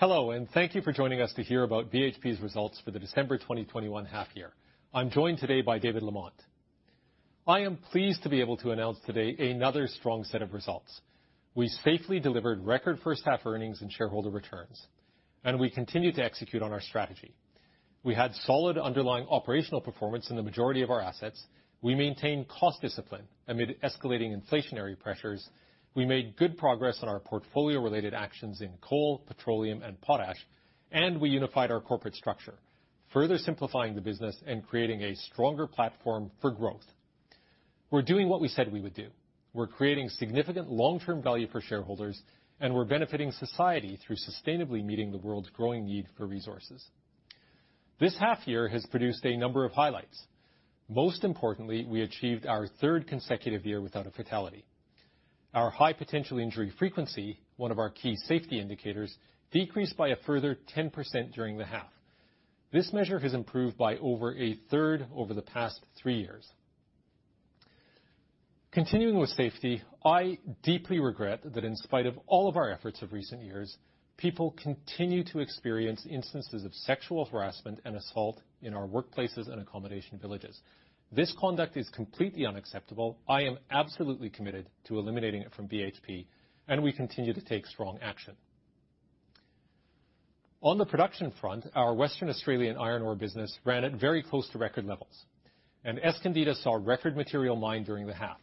Hello, and thank you for joining us to hear about BHP's results for the December 2021 half year. I'm joined today by David Lamont. I am pleased to be able to announce today another strong set of results. We safely delivered record first half earnings and shareholder returns, and we continued to execute on our strategy. We had solid underlying operational performance in the majority of our assets. We maintained cost discipline amid escalating inflationary pressures. We made good progress on our portfolio-related actions in coal, petroleum, and potash. We unified our corporate structure, further simplifying the business and creating a stronger platform for growth. We're doing what we said we would do. We're creating significant long-term value for shareholders, and we're benefiting society through sustainably meeting the world's growing need for resources. This half year has produced a number of highlights. Most importantly, we achieved our third consecutive year without a fatality. Our high potential injury frequency, one of our key safety indicators, decreased by a further 10% during the half. This measure has improved by over a third over the past three years. Continuing with safety, I deeply regret that in spite of all of our efforts of recent years, people continue to experience instances of sexual harassment and assault in our workplaces and accommodation villages. This conduct is completely unacceptable. I am absolutely committed to eliminating it from BHP, and we continue to take strong action. On the production front, our Western Australia Iron Ore business ran at very close to record levels, and Escondida saw record material mined during the half.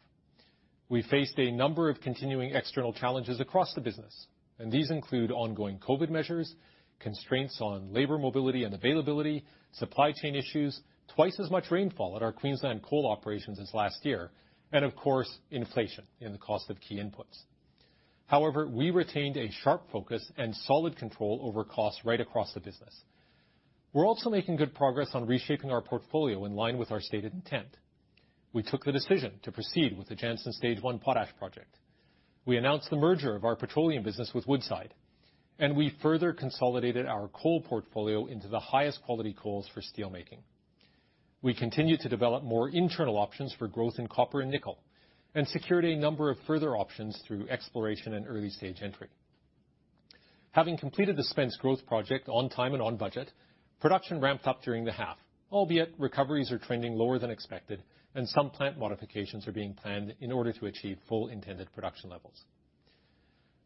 We faced a number of continuing external challenges across the business, and these include ongoing COVID measures, constraints on labor mobility and availability, supply chain issues, twice as much rainfall at our Queensland coal operations as last year, and of course, inflation in the cost of key inputs. However, we retained a sharp focus and solid control over costs right across the business. We're also making good progress on reshaping our portfolio in line with our stated intent. We took the decision to proceed with the Jansen Stage 1 potash project. We announced the merger of our petroleum business with Woodside, and we further consolidated our coal portfolio into the highest quality coals for steel making. We continued to develop more internal options for growth in copper and nickel, and secured a number of further options through exploration and early-stage entry. Having completed the Spence Growth Option on time and on budget, production ramped up during the half, albeit recoveries are trending lower than expected and some plant modifications are being planned in order to achieve full intended production levels.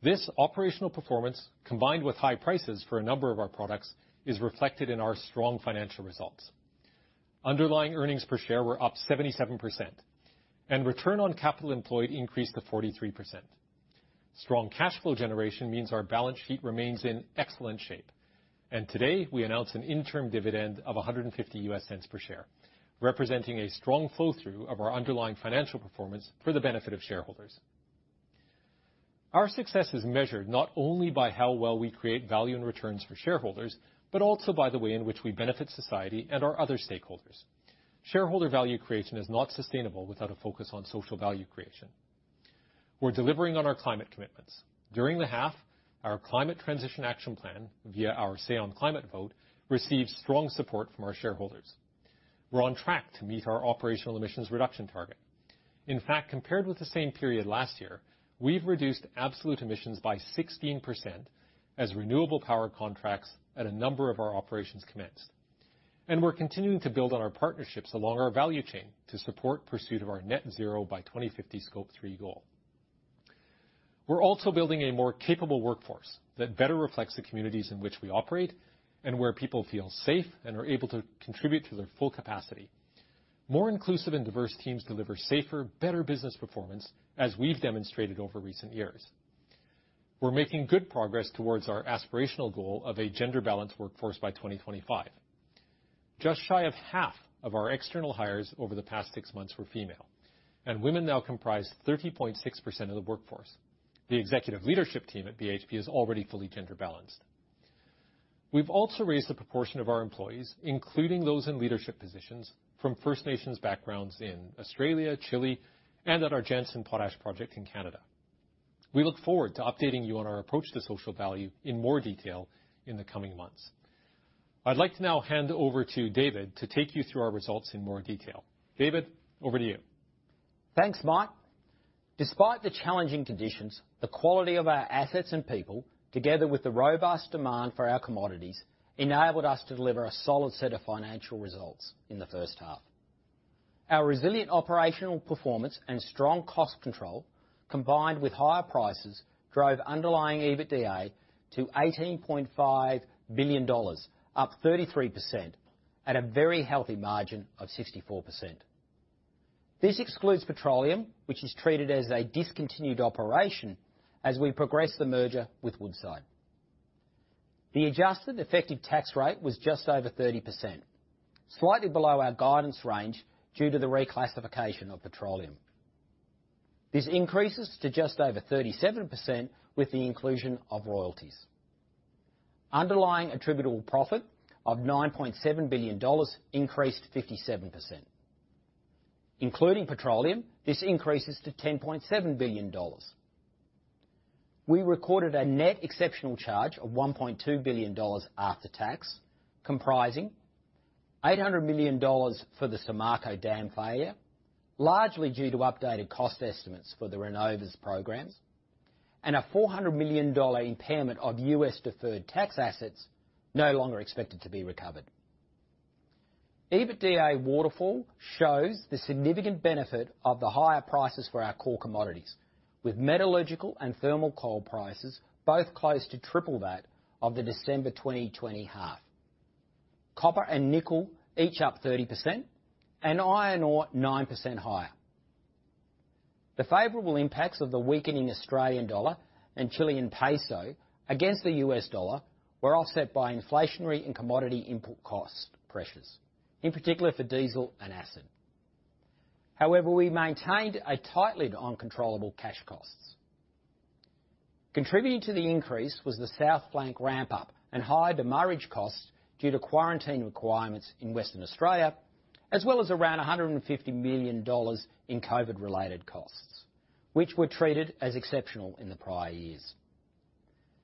This operational performance, combined with high prices for a number of our products, is reflected in our strong financial results. Underlying earnings per share were up 77%, and return on capital employed increased to 43%. Strong cash flow generation means our balance sheet remains in excellent shape, and today, we announce an interim dividend of $1.50 per share, representing a strong flow-through of our underlying financial performance for the benefit of shareholders. Our success is measured not only by how well we create value and returns for shareholders, but also by the way in which we benefit society and our other stakeholders. Shareholder value creation is not sustainable without a focus on social value creation. We're delivering on our climate commitments. During the half, our climate transition action plan via our say on climate vote, received strong support from our shareholders. We're on track to meet our operational emissions reduction target. In fact, compared with the same period last year, we've reduced absolute emissions by 16% as renewable power contracts at a number of our operations commenced. We're continuing to build on our partnerships along our value chain to support pursuit of our net zero by 2050 Scope 3 goal. We're also building a more capable workforce that better reflects the communities in which we operate and where people feel safe and are able to contribute to their full capacity. More inclusive and diverse teams deliver safer, better business performance, as we've demonstrated over recent years. We're making good progress towards our aspirational goal of a gender-balanced workforce by 2025. Just shy of half of our external hires over the past six months were female, and women now comprise 30.6% of the workforce. The executive leadership team at BHP is already fully gender balanced. We've also raised the proportion of our employees, including those in leadership positions from First Nations backgrounds in Australia, Chile, and at our Jansen Potash project in Canada. We look forward to updating you on our approach to social value in more detail in the coming months. I'd like to now hand over to David to take you through our results in more detail. David, over to you. Thanks, Mike. Despite the challenging conditions, the quality of our assets and people, together with the robust demand for our commodities, enabled us to deliver a solid set of financial results in the first half. Our resilient operational performance and strong cost control, combined with higher prices, drove underlying EBITDA to $18.5 billion, up 33% at a very healthy margin of 64%. This excludes petroleum, which is treated as a discontinued operation as we progress the merger with Woodside. The adjusted effective tax rate was just over 30%, slightly below our guidance range due to the reclassification of petroleum. This increases to just over 37% with the inclusion of royalties. Underlying attributable profit of $9.7 billion increased 57%. Including petroleum, this increases to $10.7 billion. We recorded a net exceptional charge of $1.2 billion after tax, comprising $800 million for the Samarco dam failure, largely due to updated cost estimates for Renova's programs, and a $400 million impairment of U.S. deferred tax assets no longer expected to be recovered. EBITDA waterfall shows the significant benefit of the higher prices for our core commodities, with metallurgical and thermal coal prices both close to triple that of the December 2020 half. Copper and nickel each up 30%, and iron ore 9% higher. The favorable impacts of the weakening Australian dollar and Chilean peso against the US dollar were offset by inflationary and commodity input cost pressures, in particular for diesel and acid. However, we maintained a tight lid on controllable cash costs. Contributing to the increase was the South Flank ramp up and high demurrage costs due to quarantine requirements in Western Australia, as well as around $150 million in COVID-related costs, which were treated as exceptional in the prior years.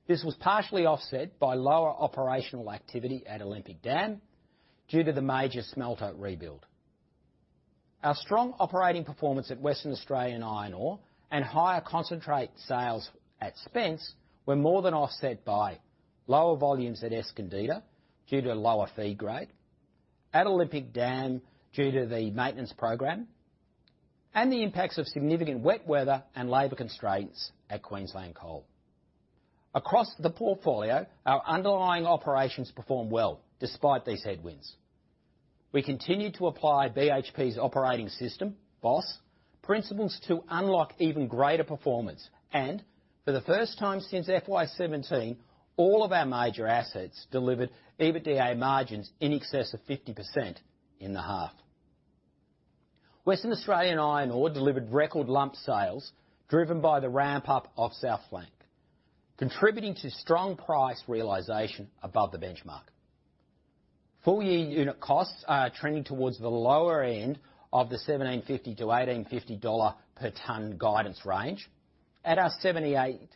This was partially offset by lower operational activity at Olympic Dam due to the major smelter rebuild. Our strong operating performance at Western Australia Iron Ore and higher concentrate sales at Spence were more than offset by lower volumes at Escondida due to a lower feed grade, at Olympic Dam due to the maintenance program, and the impacts of significant wet weather and labor constraints at Queensland Coal. Across the portfolio, our underlying operations performed well despite these headwinds. We continued to apply BHP's operating system, BOSS, principles to unlock even greater performance. For the first time since FY 2017, all of our major assets delivered EBITDA margins in excess of 50% in the half. Western Australia Iron Ore delivered record lump sales driven by the ramp-up of South Flank, contributing to strong price realization above the benchmark. Full-year unit costs are trending towards the lower end of the $1,750-$1,850 per ton guidance range at our $0.78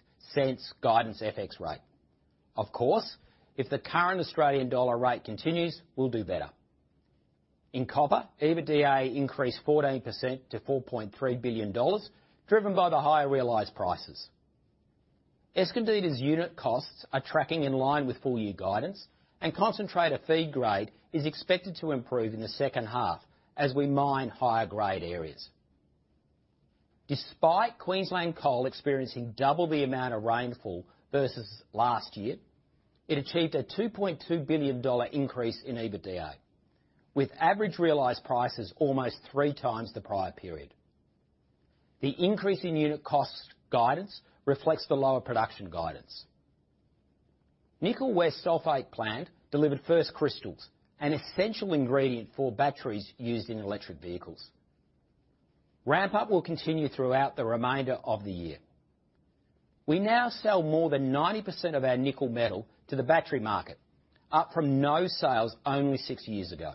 guidance FX rate. Of course, if the current Australian dollar rate continues, we'll do better. In copper, EBITDA increased 14% to $4.3 billion, driven by the higher realized prices. Escondida's unit costs are tracking in line with full-year guidance, and concentrate feed grade is expected to improve in the second half as we mine higher grade areas. Despite Queensland Coal experiencing double the amount of rainfall versus last year, it achieved a $2.2 billion increase in EBITDA, with average realized prices almost 3x the prior period. The increase in unit cost guidance reflects the lower production guidance. Nickel West Sulfate Plant delivered first crystals, an essential ingredient for batteries used in electric vehicles. Ramp-up will continue throughout the remainder of the year. We now sell more than 90% of our nickel metal to the battery market, up from no sales only six years ago.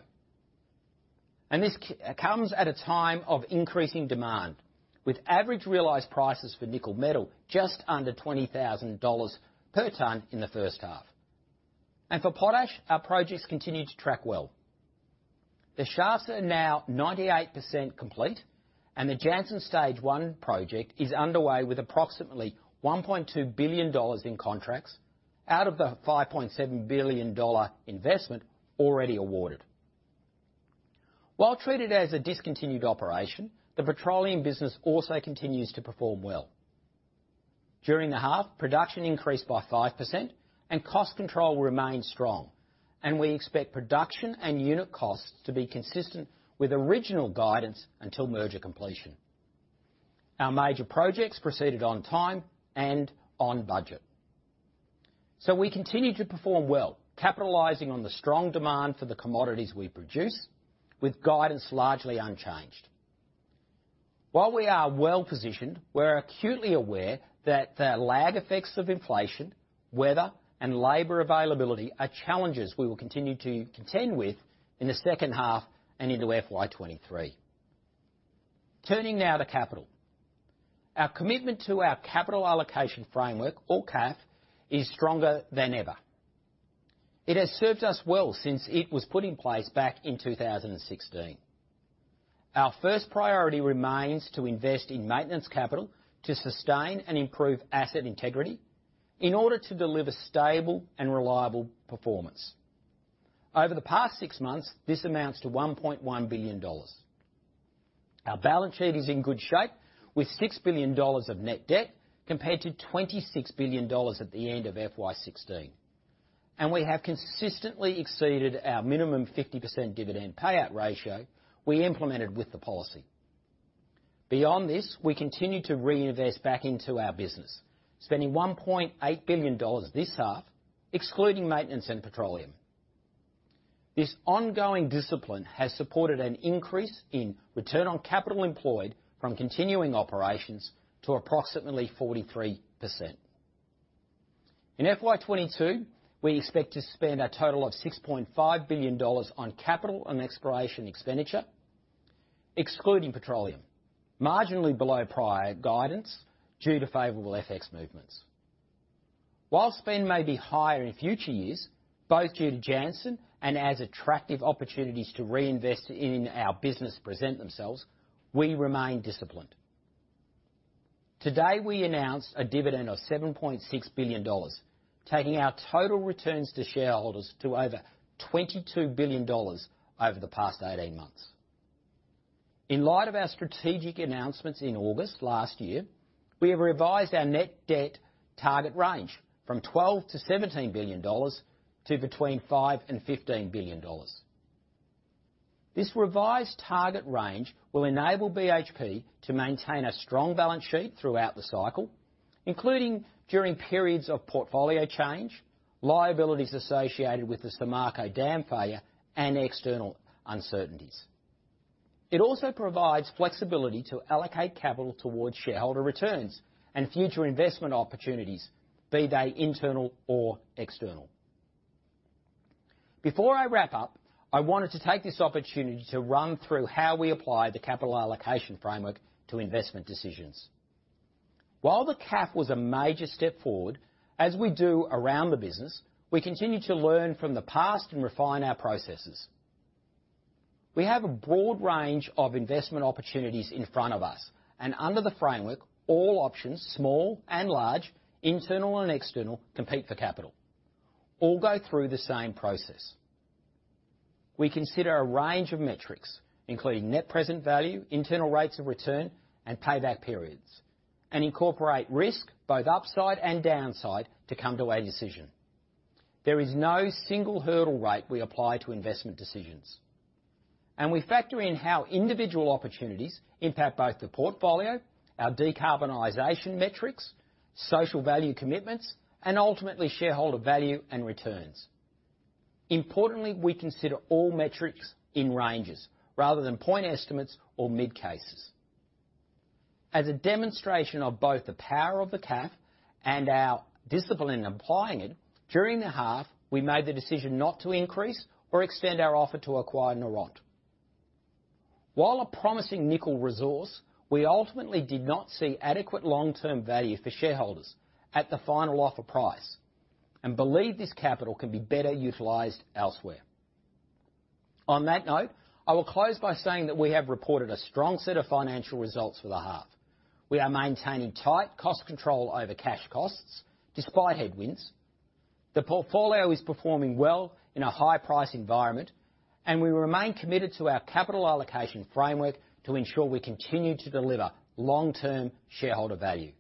This comes at a time of increasing demand, with average realized prices for nickel metal just under $20,000 per ton in the first half. For potash, our projects continue to track well. The shafts are now 98% complete, and the Jansen Stage 1 project is underway with approximately $1.2 billion in contracts out of the $5.7 billion investment already awarded. While treated as a discontinued operation, the petroleum business also continues to perform well. During the half, production increased by 5% and cost control remained strong, and we expect production and unit costs to be consistent with original guidance until merger completion. Our major projects proceeded on time and on budget. We continue to perform well, capitalizing on the strong demand for the commodities we produce with guidance largely unchanged. While we are well-positioned, we're acutely aware that the lag effects of inflation, weather, and labor availability are challenges we will continue to contend with in the second half and into FY 2023. Turning now to capital. Our commitment to our capital allocation framework, or CAF, is stronger than ever. It has served us well since it was put in place back in 2016. Our first priority remains to invest in maintenance capital to sustain and improve asset integrity in order to deliver stable and reliable performance. Over the past six months, this amounts to $1.1 billion. Our balance sheet is in good shape with $6 billion of net debt, compared to $26 billion at the end of FY 2016. We have consistently exceeded our minimum 50% dividend payout ratio we implemented with the policy. Beyond this, we continue to reinvest back into our business, spending $1.8 billion this half, excluding maintenance and petroleum. This ongoing discipline has supported an increase in return on capital employed from continuing operations to approximately 43%. In FY 2022, we expect to spend a total of $6.5 billion on capital and exploration expenditure, excluding petroleum, marginally below prior guidance due to favorable FX movements. While spend may be higher in future years, both due to Jansen and as attractive opportunities to reinvest in our business present themselves, we remain disciplined. Today, we announced a dividend of $7.6 billion, taking our total returns to shareholders to over $22 billion over the past 18 months. In light of our strategic announcements in August last year, we have revised our net debt target range from $12 billion-$17 billion to between $5 billion and $15 billion. This revised target range will enable BHP to maintain a strong balance sheet throughout the cycle, including during periods of portfolio change, liabilities associated with the Samarco dam failure, and external uncertainties. It also provides flexibility to allocate capital towards shareholder returns and future investment opportunities, be they internal or external. Before I wrap up, I wanted to take this opportunity to run through how we apply the capital allocation framework to investment decisions. While the CAF was a major step forward, as we do around the business, we continue to learn from the past and refine our processes. We have a broad range of investment opportunities in front of us, and under the framework, all options, small and large, internal and external, compete for capital, all go through the same process. We consider a range of metrics, including net present value, internal rates of return, and payback periods, and incorporate risk, both upside and downside, to come to a decision. There is no single hurdle rate we apply to investment decisions. We factor in how individual opportunities impact both the portfolio, our decarbonization metrics, social value commitments, and ultimately shareholder value and returns. Importantly, we consider all metrics in ranges rather than point estimates or mid-cases. As a demonstration of both the power of the CAF and our discipline in applying it, during the half, we made the decision not to increase or extend our offer to acquire Noront. While a promising nickel resource, we ultimately did not see adequate long-term value for shareholders at the final offer price and believe this capital can be better utilized elsewhere. On that note, I will close by saying that we have reported a strong set of financial results for the half. We are maintaining tight cost control over cash costs despite headwinds. The portfolio is performing well in a high-price environment, and we remain committed to our capital allocation framework to ensure we continue to deliver long-term shareholder value.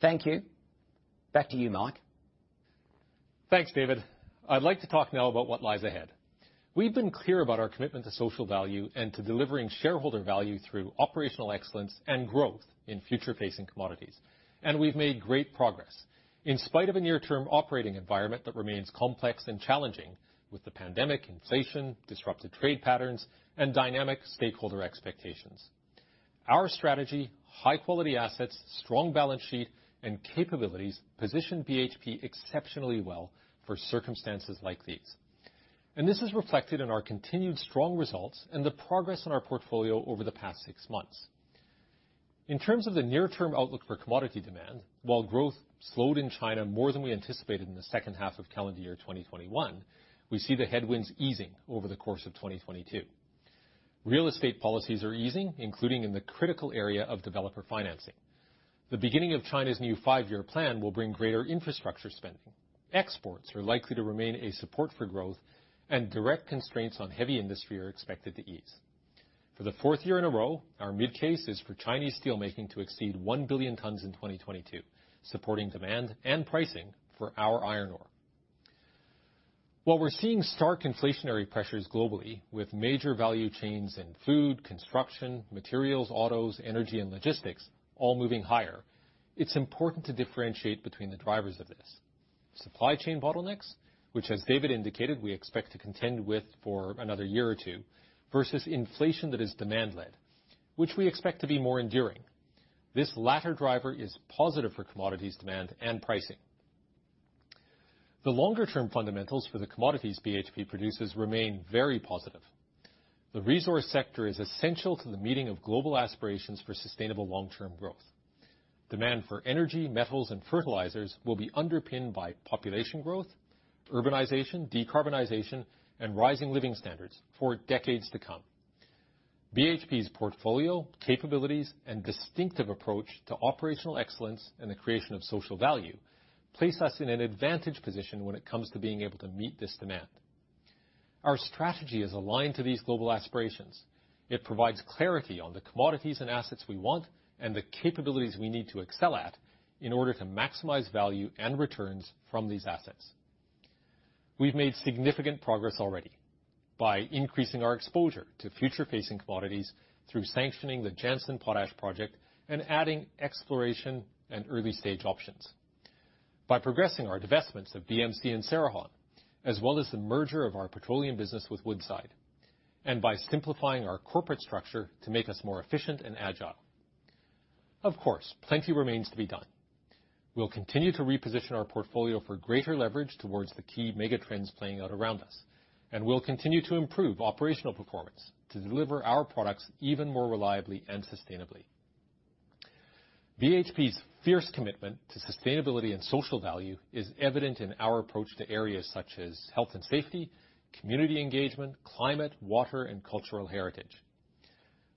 Thank you. Back to you, Mike. Thanks, David. I'd like to talk now about what lies ahead. We've been clear about our commitment to social value and to delivering shareholder value through operational excellence and growth in future-facing commodities. We've made great progress. In spite of a near-term operating environment that remains complex and challenging with the pandemic, inflation, disrupted trade patterns, and dynamic stakeholder expectations, our strategy, high-quality assets, strong balance sheet, and capabilities position BHP exceptionally well for circumstances like these. This is reflected in our continued strong results and the progress in our portfolio over the past six months. In terms of the near-term outlook for commodity demand, while growth slowed in China more than we anticipated in the second half of calendar year 2021, we see the headwinds easing over the course of 2022. Real estate policies are easing, including in the critical area of developer financing. The beginning of China's new five-year plan will bring greater infrastructure spending. Exports are likely to remain a support for growth, and direct constraints on heavy industry are expected to ease. For the fourth year in a row, our mid-case is for Chinese steel making to exceed 1 billion tons in 2022, supporting demand and pricing for our iron ore. While we're seeing stark inflationary pressures globally, with major value chains in food, construction, materials, autos, energy, and logistics all moving higher, it's important to differentiate between the drivers of this, supply chain bottlenecks, which as David indicated, we expect to contend with for another year or two, versus inflation that is demand led, which we expect to be more enduring. This latter driver is positive for commodities demand and pricing. The longer-term fundamentals for the commodities BHP produces remain very positive. The resource sector is essential to the meeting of global aspirations for sustainable long-term growth. Demand for energy, metals, and fertilizers will be underpinned by population growth, urbanization, decarbonization, and rising living standards for decades to come. BHP's portfolio, capabilities, and distinctive approach to operational excellence and the creation of social value place us in an advantageous position when it comes to being able to meet this demand. Our strategy is aligned to these global aspirations. It provides clarity on the commodities and assets we want and the capabilities we need to excel at in order to maximize value and returns from these assets. We've made significant progress already by increasing our exposure to future-facing commodities through sanctioning the Jansen Potash project and adding exploration and early-stage options, by progressing our divestments of BMC and Cerrejón, as well as the merger of our petroleum business with Woodside, and by simplifying our corporate structure to make us more efficient and agile. Of course, plenty remains to be done. We'll continue to reposition our portfolio for greater leverage towards the key mega trends playing out around us, and we'll continue to improve operational performance to deliver our products even more reliably and sustainably. BHP's fierce commitment to sustainability and social value is evident in our approach to areas such as health and safety, community engagement, climate, water, and cultural heritage.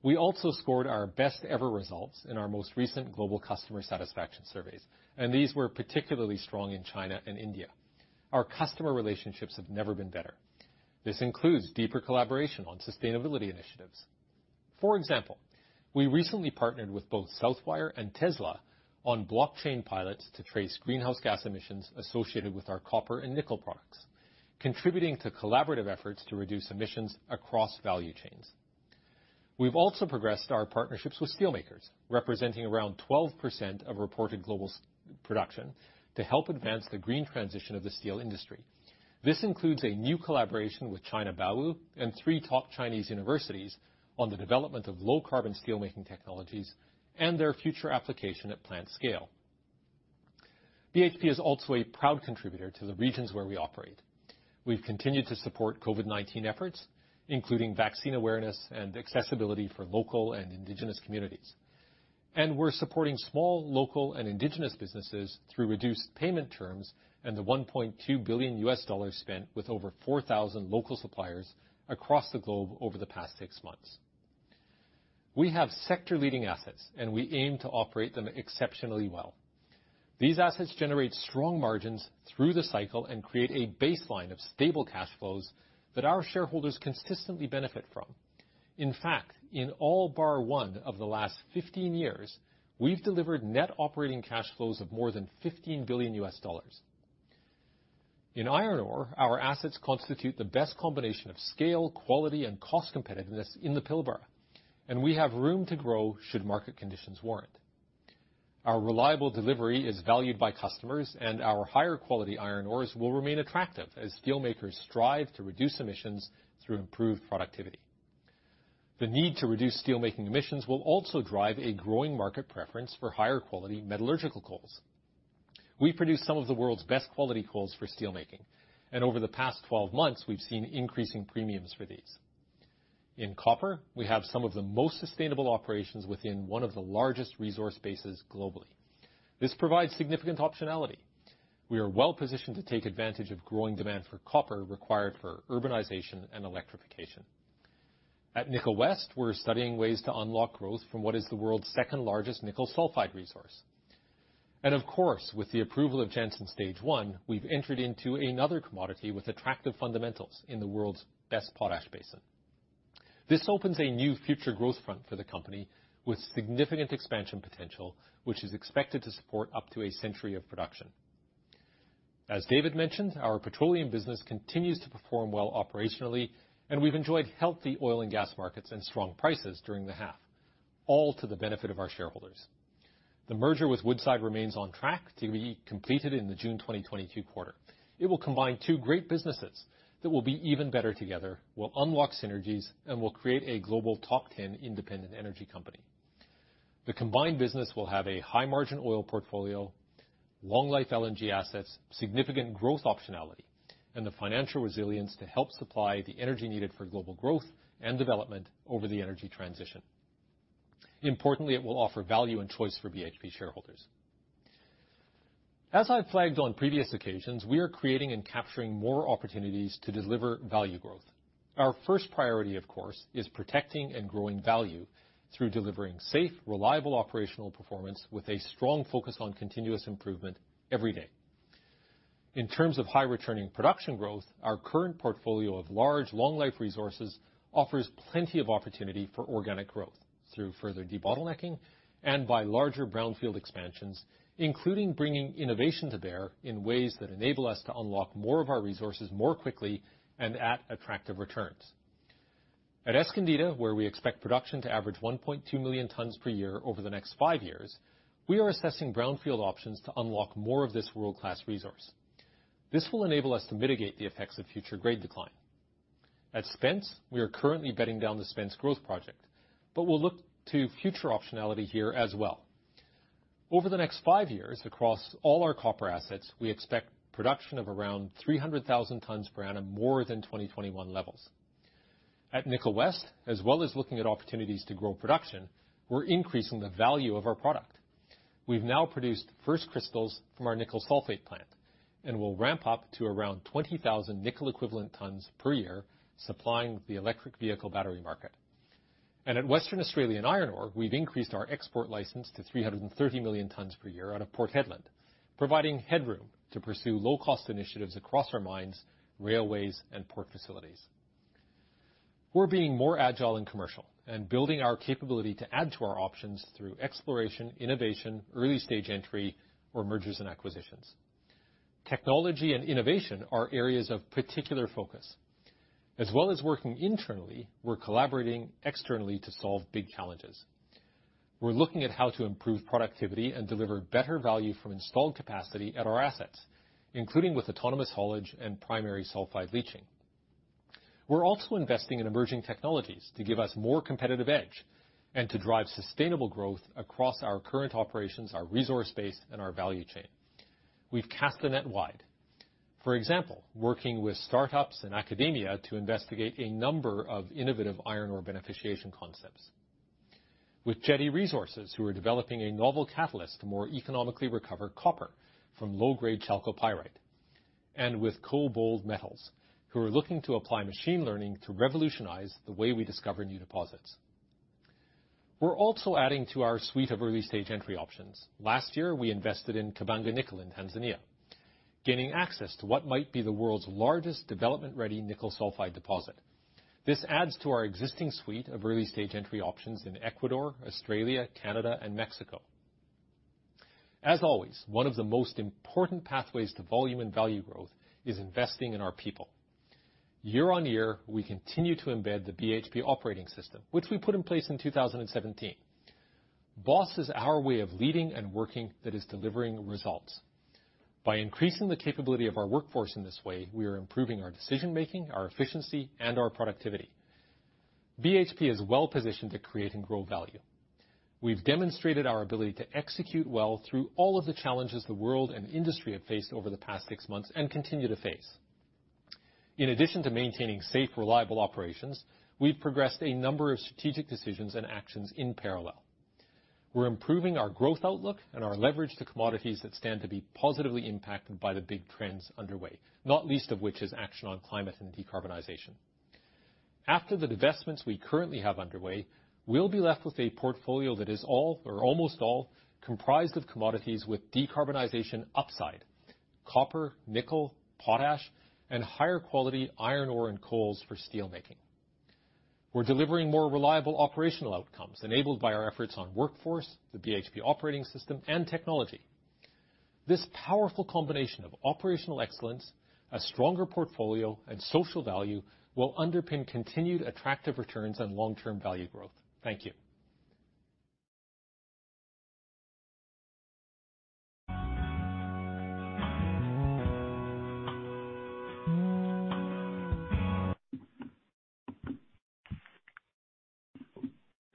We also scored our best ever results in our most recent global customer satisfaction surveys, and these were particularly strong in China and India. Our customer relationships have never been better. This includes deeper collaboration on sustainability initiatives. For example, we recently partnered with both Southwire and Tesla on blockchain pilots to trace greenhouse gas emissions associated with our copper and nickel products, contributing to collaborative efforts to reduce emissions across value chains. We've also progressed our partnerships with steel makers, representing around 12% of reported global steel production to help advance the green transition of the steel industry. This includes a new collaboration with China Baowu and three top Chinese universities on the development of low-carbon steelmaking technologies and their future application at plant scale. BHP is also a proud contributor to the regions where we operate. We've continued to support COVID-19 efforts, including vaccine awareness and accessibility for local and indigenous communities. We're supporting small, local, and indigenous businesses through reduced payment terms and the $1.2 billion spent with over 4,000 local suppliers across the globe over the past six months. We have sector-leading assets, and we aim to operate them exceptionally well. These assets generate strong margins through the cycle and create a baseline of stable cash flows that our shareholders consistently benefit from. In fact, in all bar one of the last 15 years, we've delivered net operating cash flows of more than $15 billion. In iron ore, our assets constitute the best combination of scale, quality, and cost competitiveness in the Pilbara, and we have room to grow should market conditions warrant. Our reliable delivery is valued by customers, and our higher quality iron ores will remain attractive as steel makers strive to reduce emissions through improved productivity. The need to reduce steelmaking emissions will also drive a growing market preference for higher quality metallurgical coals. We produce some of the world's best quality coals for steelmaking, and over the past 12 months, we've seen increasing premiums for these. In copper, we have some of the most sustainable operations within one of the largest resource bases globally. This provides significant optionality. We are well-positioned to take advantage of growing demand for copper required for urbanization and electrification. At Nickel West, we're studying ways to unlock growth from what is the world's second-largest nickel sulfide resource. Of course, with the approval of Jansen Stage 1, we've entered into another commodity with attractive fundamentals in the world's best potash basin. This opens a new future growth front for the company with significant expansion potential, which is expected to support up to a century of production. As David mentioned, our petroleum business continues to perform well operationally, and we've enjoyed healthy oil and gas markets and strong prices during the half, all to the benefit of our shareholders. The merger with Woodside remains on track to be completed in the June 2022 quarter. It will combine two great businesses that will be even better together, will unlock synergies, and will create a global top ten independent energy company. The combined business will have a high-margin oil portfolio, long-life LNG assets, significant growth optionality, and the financial resilience to help supply the energy needed for global growth and development over the energy transition. Importantly, it will offer value and choice for BHP shareholders. As I flagged on previous occasions, we are creating and capturing more opportunities to deliver value growth. Our first priority, of course, is protecting and growing value through delivering safe, reliable operational performance with a strong focus on continuous improvement every day. In terms of high returning production growth, our current portfolio of large, long-life resources offers plenty of opportunity for organic growth through further debottlenecking and by larger brownfield expansions, including bringing innovation to bear in ways that enable us to unlock more of our resources more quickly and at attractive returns. At Escondida, where we expect production to average 1.2 million tons per year over the next five years, we are assessing brownfield options to unlock more of this world-class resource. This will enable us to mitigate the effects of future grade decline. At Spence, we are currently bedding down the Spence growth project, but we'll look to future optionality here as well. Over the next five years, across all our copper assets, we expect production of around 300,000 tons per annum, more than 2021 levels. At Nickel West, as well as looking at opportunities to grow production, we're increasing the value of our product. We've now produced first crystals from our nickel sulfate plant and will ramp up to around 20,000 nickel equivalent tons per year, supplying the electric vehicle battery market. At Western Australia Iron Ore, we've increased our export license to 330 million tons per year out of Port Hedland, providing headroom to pursue low-cost initiatives across our mines, railways, and port facilities. We're being more agile and commercial and building our capability to add to our options through exploration, innovation, early-stage entry, or mergers and acquisitions. Technology and innovation are areas of particular focus. As well as working internally, we're collaborating externally to solve big challenges. We're looking at how to improve productivity and deliver better value from installed capacity at our assets, including with autonomous haulage and primary sulfide leaching. We're also investing in emerging technologies to give us more competitive edge and to drive sustainable growth across our current operations, our resource base, and our value chain. We've cast the net wide. For example, working with startups and academia to investigate a number of innovative iron ore beneficiation concepts. With Jetti Resources, who are developing a novel catalyst to more economically recover copper from low-grade chalcopyrite, and with KoBold Metals, who are looking to apply machine learning to revolutionize the way we discover new deposits. We're also adding to our suite of early-stage entry options. Last year, we invested in Kabanga Nickel in Tanzania, gaining access to what might be the world's largest development-ready nickel sulfide deposit. This adds to our existing suite of early-stage entry options in Ecuador, Australia, Canada, and Mexico. As always, one of the most important pathways to volume and value growth is investing in our people. Year-on-year, we continue to embed the BHP Operating System, which we put in place in 2017. BOSS is our way of leading and working that is delivering results. By increasing the capability of our workforce in this way, we are improving our decision-making, our efficiency, and our productivity. BHP is well-positioned to create and grow value. We've demonstrated our ability to execute well through all of the challenges the world and industry have faced over the past six months and continue to face. In addition to maintaining safe, reliable operations, we've progressed a number of strategic decisions and actions in parallel. We're improving our growth outlook and our leverage to commodities that stand to be positively impacted by the big trends underway, not least of which is action on climate and decarbonization. After the divestments we currently have underway, we'll be left with a portfolio that is all or almost all comprised of commodities with decarbonization upside: copper, nickel, potash, and higher quality iron ore and coals for steel making. We're delivering more reliable operational outcomes enabled by our efforts on workforce, the BHP Operating System, and technology. This powerful combination of operational excellence, a stronger portfolio, and social value will underpin continued attractive returns on long-term value growth. Thank you.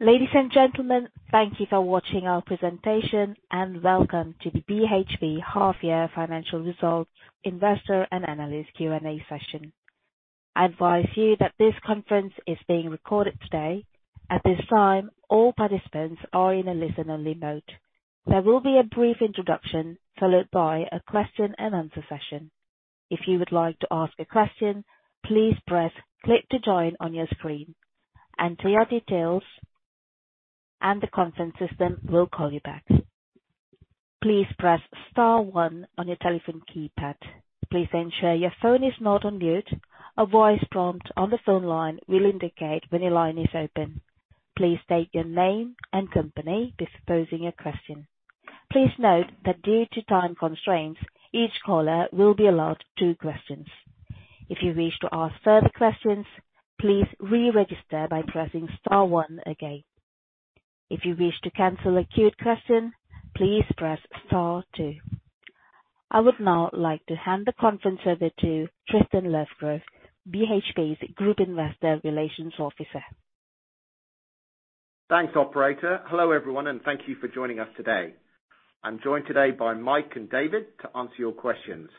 Ladies and gentlemen, thank you for watching our presentation, and welcome to the BHP half-year financial results investor and analyst Q&A session. I advise you that this conference is being recorded today. At this time, all participants are in a listen-only mode. There will be a brief introduction, followed by a question-and-answer session. If you would like to ask a question, please press Click to join on your screen, enter your details, and the conference system will call you back. Please press star one on your telephone keypad. Please ensure your phone is not on mute. A voice prompt on the phone line will indicate when your line is open. Please state your name and company before posing your question. Please note that due to time constraints, each caller will be allowed two questions. If you wish to ask further questions, please re-register by pressing star one again. I would now like to hand the conference over to Tristan Lovegrove, BHP's Group Investor Relations Officer. Thanks, operator. Hello, everyone, and thank you for joining us today. I'm joined today by Mike and David to answer your questions.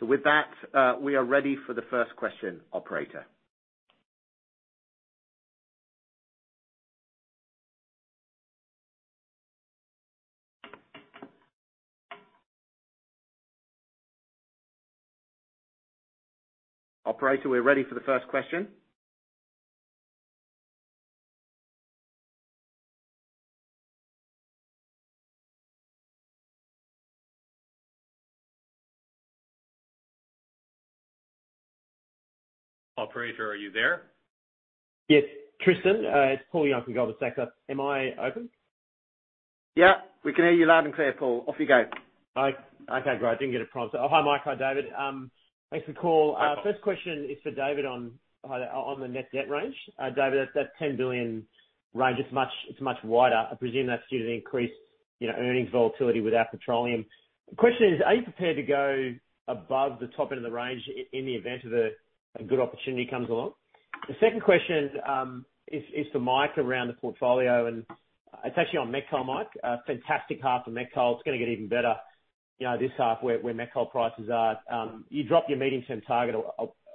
With that, we are ready for the first question, operator. Operator, we're ready for the first question. Operator, are you there? Yes. Tristan, it's Paul Young from Goldman Sachs. Am I open? Yeah, we can hear you loud and clear, Paul. Off you go. Okay, great. I didn't get a prompt. Hi, Mike. Hi, David. Thanks for the call. First question is for David on the net debt range. David, that $10 billion range is much wider. I presume that's due to the increased earnings volatility with our petroleum. The question is, are you prepared to go above the top end of the range in the event of a good opportunity comes along? The second question is for Mike around the portfolio, and it's actually on met coal, Mike. A fantastic half for met coal. It's gonna get even better this half where met coal prices are. You dropped your medium-term target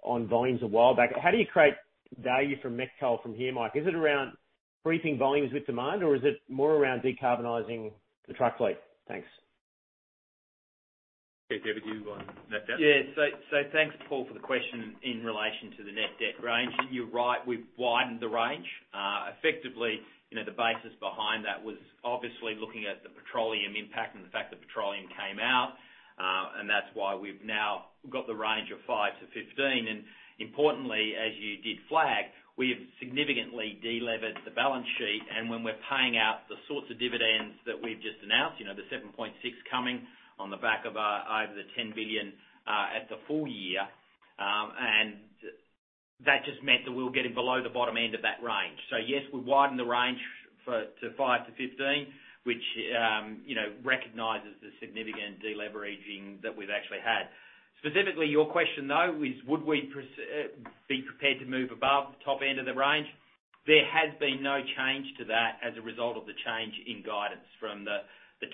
on volumes a while back. How do you create value from met coal from here, Mike? Is it around increasing volumes with demand, or is it more around decarbonizing the truck fleet? Thanks. Okay, David, you're on net debt. Yeah. Thanks, Paul, for the question in relation to the net debt range. You're right, we've widened the range. Effectively, you know, the basis behind that was obviously looking at the petroleum impact and the fact that petroleum came out, and that's why we've now got the range of $5 billion-$15 billion. Importantly, as you did flag, we have significantly deleveraged the balance sheet. When we're paying out the sorts of dividends that we've just announced, you know, the $7.6 billion coming on the back of over the $10 billion at the full year, and that just meant that we were getting below the bottom end of that range. Yes, we widened the range to $5 billion-$15 billion, which, you know, recognizes the significant deleveraging that we've actually had. Specifically, your question though is, would we be prepared to move above the top end of the range? There has been no change to that as a result of the change in guidance from the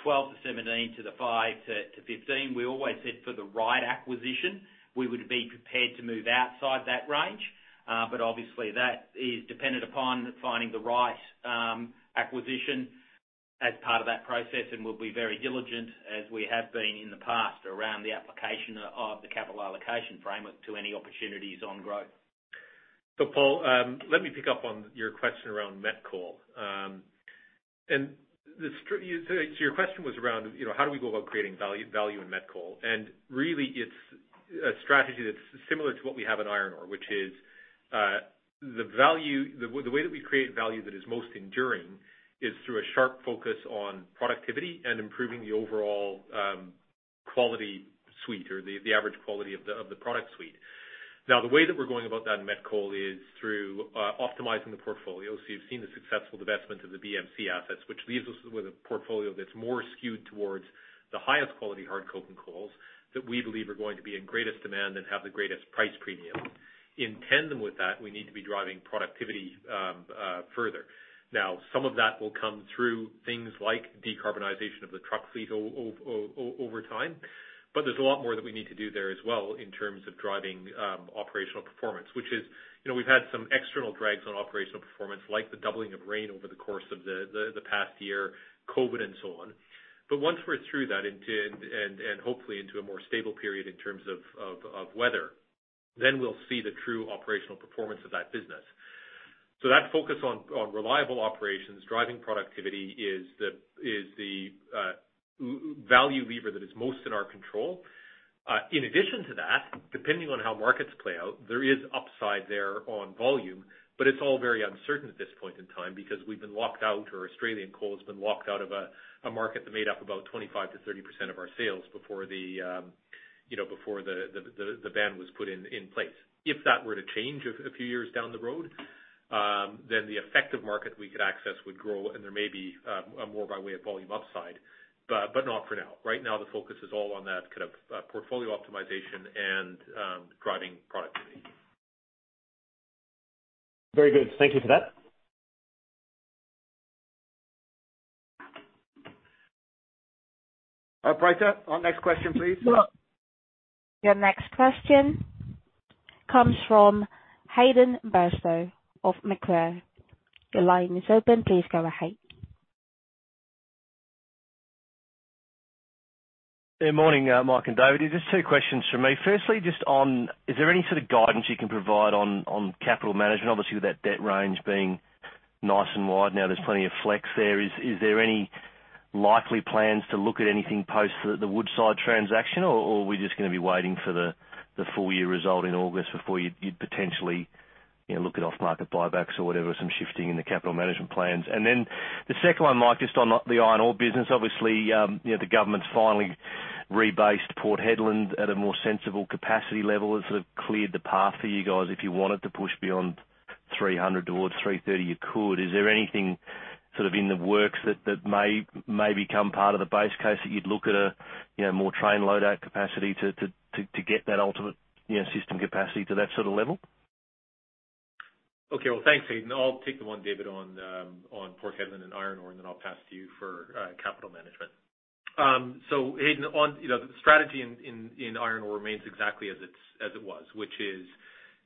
$12 billion-$17 billion to the $5 billion-$15 billion. We always said for the right acquisition, we would be prepared to move outside that range. Obviously that is dependent upon finding the right acquisition as part of that process, and we'll be very diligent as we have been in the past, around the application of the capital allocation framework to any opportunities on growth. Paul, let me pick up on your question around met coal. Your question was around, you know, how do we go about creating value in met coal? Really it's a strategy that's similar to what we have in iron ore, which is, the way that we create value that is most enduring is through a sharp focus on productivity and improving the overall quality suite or the average quality of the product suite. Now, the way that we're going about that in met coal is through optimizing the portfolio. You've seen the successful divestment of the BMC assets, which leaves us with a portfolio that's more skewed towards the highest quality hard coking coals that we believe are going to be in greatest demand and have the greatest price premium. In tandem with that, we need to be driving productivity further. Now, some of that will come through things like decarbonization of the truck fleet over time, but there's a lot more that we need to do there as well in terms of driving operational performance. Which is, you know, we've had some external drags on operational performance, like the doubling of rain over the course of the past year, COVID and so on. But once we're through that, and hopefully into a more stable period in terms of weather, then we'll see the true operational performance of that business. So that focus on reliable operations, driving productivity is the value lever that is most in our control. In addition to that, depending on how markets play out, there is upside there on volume, but it's all very uncertain at this point in time because we've been locked out, or Australian coal has been locked out of a market that made up about 25%-30% of our sales before the, you know, before the ban was put in place. If that were to change a few years down the road, then the effective market we could access would grow and there may be more by way of volume upside, but not for now. Right now the focus is all on that kind of portfolio optimization and driving productivity. Very good. Thank you for that. Operator, our next question, please. Your next question comes from Hayden Bairstow of Macquarie. Your line is open. Please go ahead. Good morning, Mike and David. Just two questions from me. Firstly, just on is there any sort of guidance you can provide on capital management? Obviously, with that debt range being nice and wide now, there's plenty of flex there. Is there any likely plans to look at anything post the Woodside transaction or are we just gonna be waiting for the full year result in August before you'd potentially, you know, look at off market buybacks or whatever, some shifting in the capital management plans? Then the second one, Mike, just on the iron ore business, obviously, you know, the government's finally rebased Port Hedland at a more sensible capacity level. It sort of cleared the path for you guys. If you wanted to push beyond 300 million towards 330 million, you could. Is there anything sort of in the works that may become part of the base case that you'd look at a, you know, more train loadout capacity to get that ultimate, you know, system capacity to that sort of level? Okay. Well, thanks, Hayden. I'll take the one, David, on Port Hedland and iron ore, and then I'll pass to you for capital management. Hayden, you know, the strategy in iron ore remains exactly as it was. Which is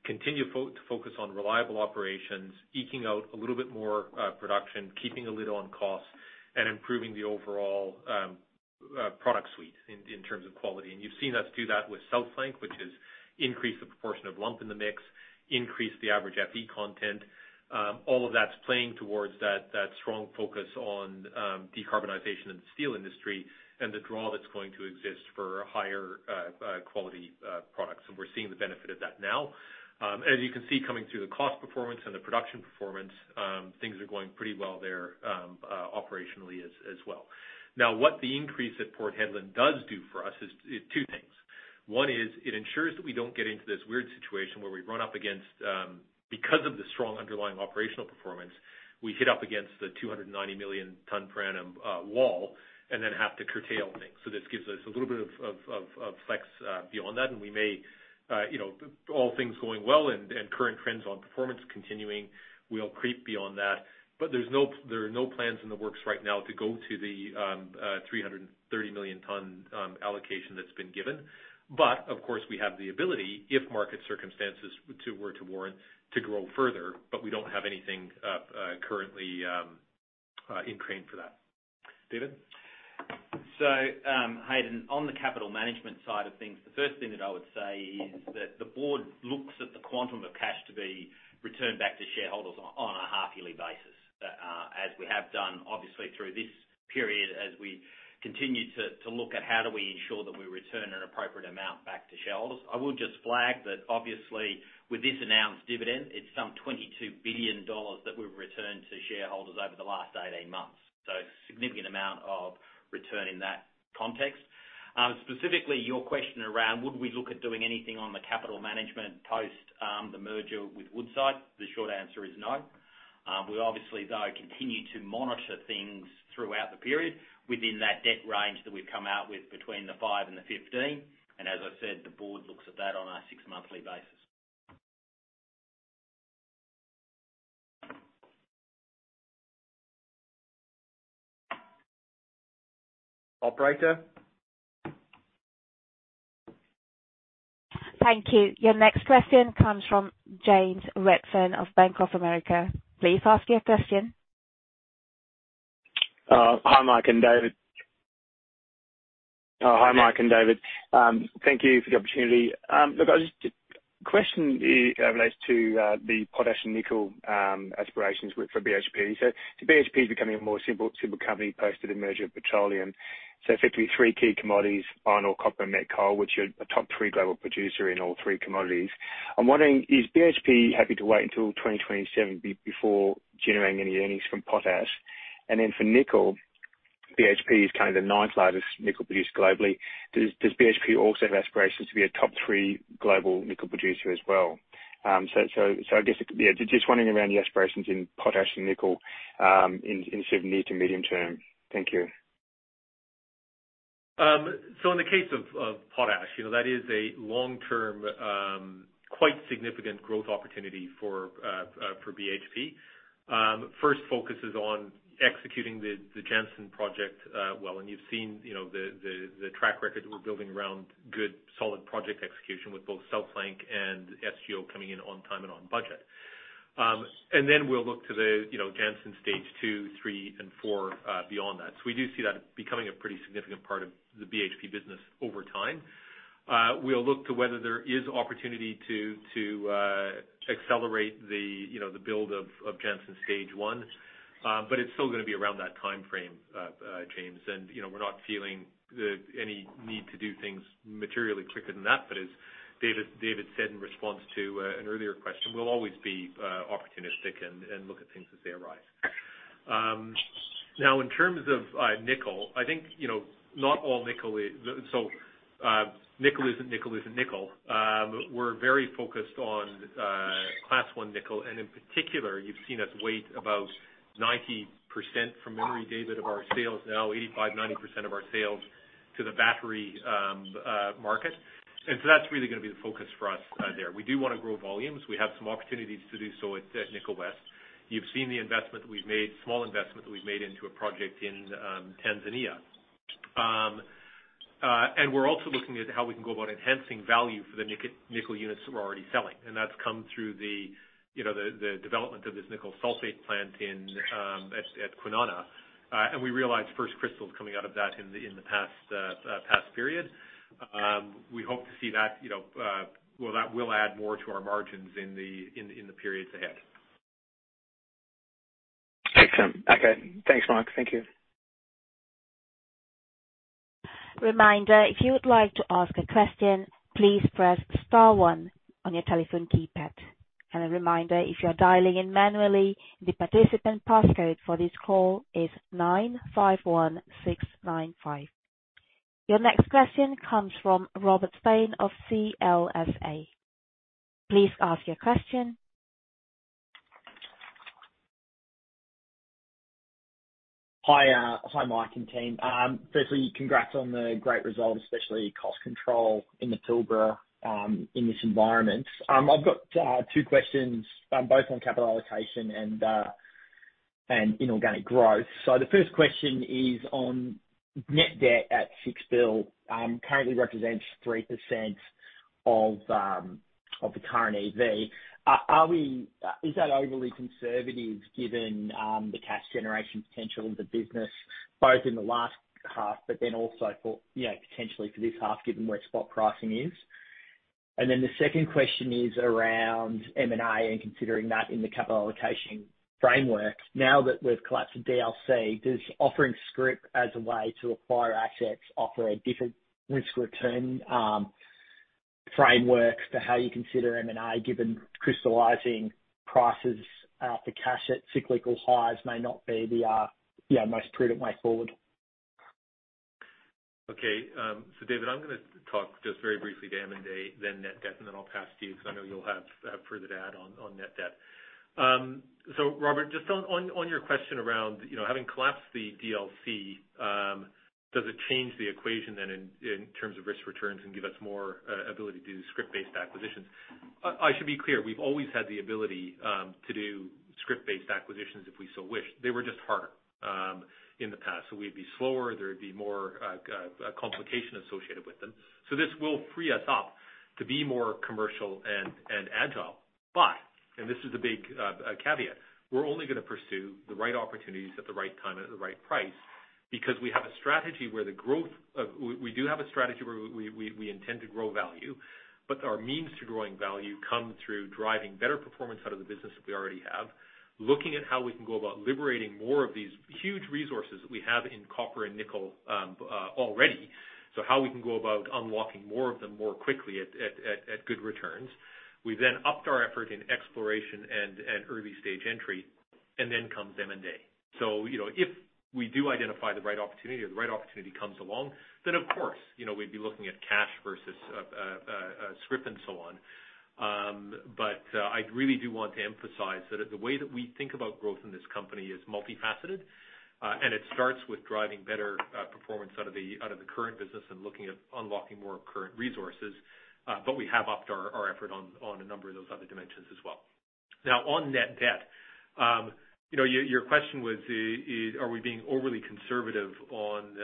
continue to focus on reliable operations, eking out a little bit more production, keeping a lid on costs, and improving the overall product suite in terms of quality. You've seen us do that with South Flank, which is increase the proportion of lump in the mix, increase the average FE content. All of that's playing towards that strong focus on decarbonization in the steel industry and the draw that's going to exist for higher quality products. We're seeing the benefit of that now. As you can see coming through the cost performance and the production performance, things are going pretty well there, operationally as well. Now, what the increase at Port Hedland does do for us is two things. One is it ensures that we don't get into this weird situation where we run up against, because of the strong underlying operational performance, we hit up against the 290 million tons per annum wall and then have to curtail things. This gives us a little bit of flex beyond that, and we may, you know, all things going well and current trends on performance continuing, we'll creep beyond that. There are no plans in the works right now to go to the 330 million ton allocation that's been given. Of course, we have the ability if market circumstances were to warrant to grow further, but we don't have anything currently in train for that. David? Hayden, on the capital management side of things, the first thing that I would say is that the board looks at the quantum of cash to be returned back to shareholders on a half-yearly basis, as we have done, obviously, through this period as we continue to look at how do we ensure that we return an appropriate amount back to shareholders. I would just flag that obviously with this announced dividend, it's $22 billion that we've returned to shareholders over the last 18 months. Significant amount of return in that context. Specifically, your question around would we look at doing anything on the capital management post the merger with Woodside? The short answer is no. We obviously, though, continue to monitor things throughout the period within that debt range that we've come out with between the $5 billion and the $15 billion. As I said, the board looks at that on a six-monthly basis. Operator? Thank you. Your next question comes from James Redfern of Bank of America. Please ask your question. Hi, Mike and David. Thank you for the opportunity. Look, question in relation to the potash and nickel aspirations for BHP. BHP is becoming a more simple company post the merger, petroleum. Effectively three key commodities, iron ore, copper and met coal, which are a top three global producer in all three commodities. I'm wondering, is BHP happy to wait until 2027 before generating any earnings from potash? For nickel, BHP is kinda the ninth largest nickel producer globally. Does BHP also have aspirations to be a top three global nickel producer as well? I guess just wondering about your aspirations in potash and nickel in sort of near- to medium-term. Thank you. So in the case of potash, you know, that is a long-term, quite significant growth opportunity for BHP. First focus is on executing the Jansen project well. You've seen, you know, the track record that we're building around good, solid project execution with both South Flank and SGO coming in on time and on budget. Then we'll look to the, you know, Jansen Stage 2, 3 and 4 beyond that. We do see that becoming a pretty significant part of the BHP business over time. We'll look to whether there is opportunity to accelerate the, you know, the build of Jansen Stage 1. But it's still gonna be around that timeframe, James. You know, we're not feeling any need to do things materially quicker than that. As David said in response to an earlier question, we'll always be opportunistic and look at things as they arise. Now in terms of nickel, I think you know not all nickel is nickel isn't nickel. We're very focused on class one nickel and in particular you've seen us weighted about 90%, from memory David, of our sales now 85%-90% of our sales to the battery market. That's really gonna be the focus for us there. We do wanna grow volumes. We have some opportunities to do so at Nickel West. You've seen the investment we've made, small investment that we've made into a project in Tanzania. We're also looking at how we can go about enhancing value for the nickel units that we're already selling. That's come through you know, the development of this nickel sulphate plant at Kwinana. We realized first crystals coming out of that in the past period. We hope to see that, you know, well, that will add more to our margins in the periods ahead. Excellent. Okay. Thanks, Mike. Thank you. Your next question comes from Robert Stein of CLSA. Please ask your question. Hi, Mike and team. Firstly, congrats on the great result, especially cost control in the Pilbara, in this environment. I've got two questions, both on capital allocation and inorganic growth. The first question is on net debt at $6 billion, currently represents 3% of the current EV. Is that overly conservative given the cash generation potential of the business both in the last half but then also for, you know, potentially for this half given where spot pricing is? The second question is around M&A and considering that in the capital allocation framework, now that we've collapsed the DLC, does offering scrip as a way to acquire assets offer a different risk return framework for how you consider M&A, given crystallizing prices for cash at cyclical highs may not be the most prudent way forward? Okay. David, I'm gonna talk just very briefly to M&A then net debt, and then I'll pass to you because I know you'll have further to add on net debt. Robert, just on your question around, you know, having collapsed the DLC, does it change the equation then in terms of risk returns and give us more ability to do scrip-based acquisitions? I should be clear, we've always had the ability to do scrip-based acquisitions if we so wished. They were just harder in the past. We'd be slower, there would be more complication associated with them. This will free us up to be more commercial and agile. This is a big caveat, we're only gonna pursue the right opportunities at the right time and at the right price because we do have a strategy where we intend to grow value, but our means to growing value come through driving better performance out of the business that we already have. Looking at how we can go about liberating more of these huge resources that we have in copper and nickel already, so how we can go about unlocking more of them more quickly at good returns. We've then upped our effort in exploration and early stage entry. You know, if we do identify the right opportunity or the right opportunity comes along, then of course, you know, we'd be looking at cash versus scrip and so on. But I really do want to emphasize that the way that we think about growth in this company is multifaceted, and it starts with driving better performance out of the current business and looking at unlocking more current resources. But we have upped our effort on a number of those other dimensions as well. Now on net debt, you know, your question was, are we being overly conservative on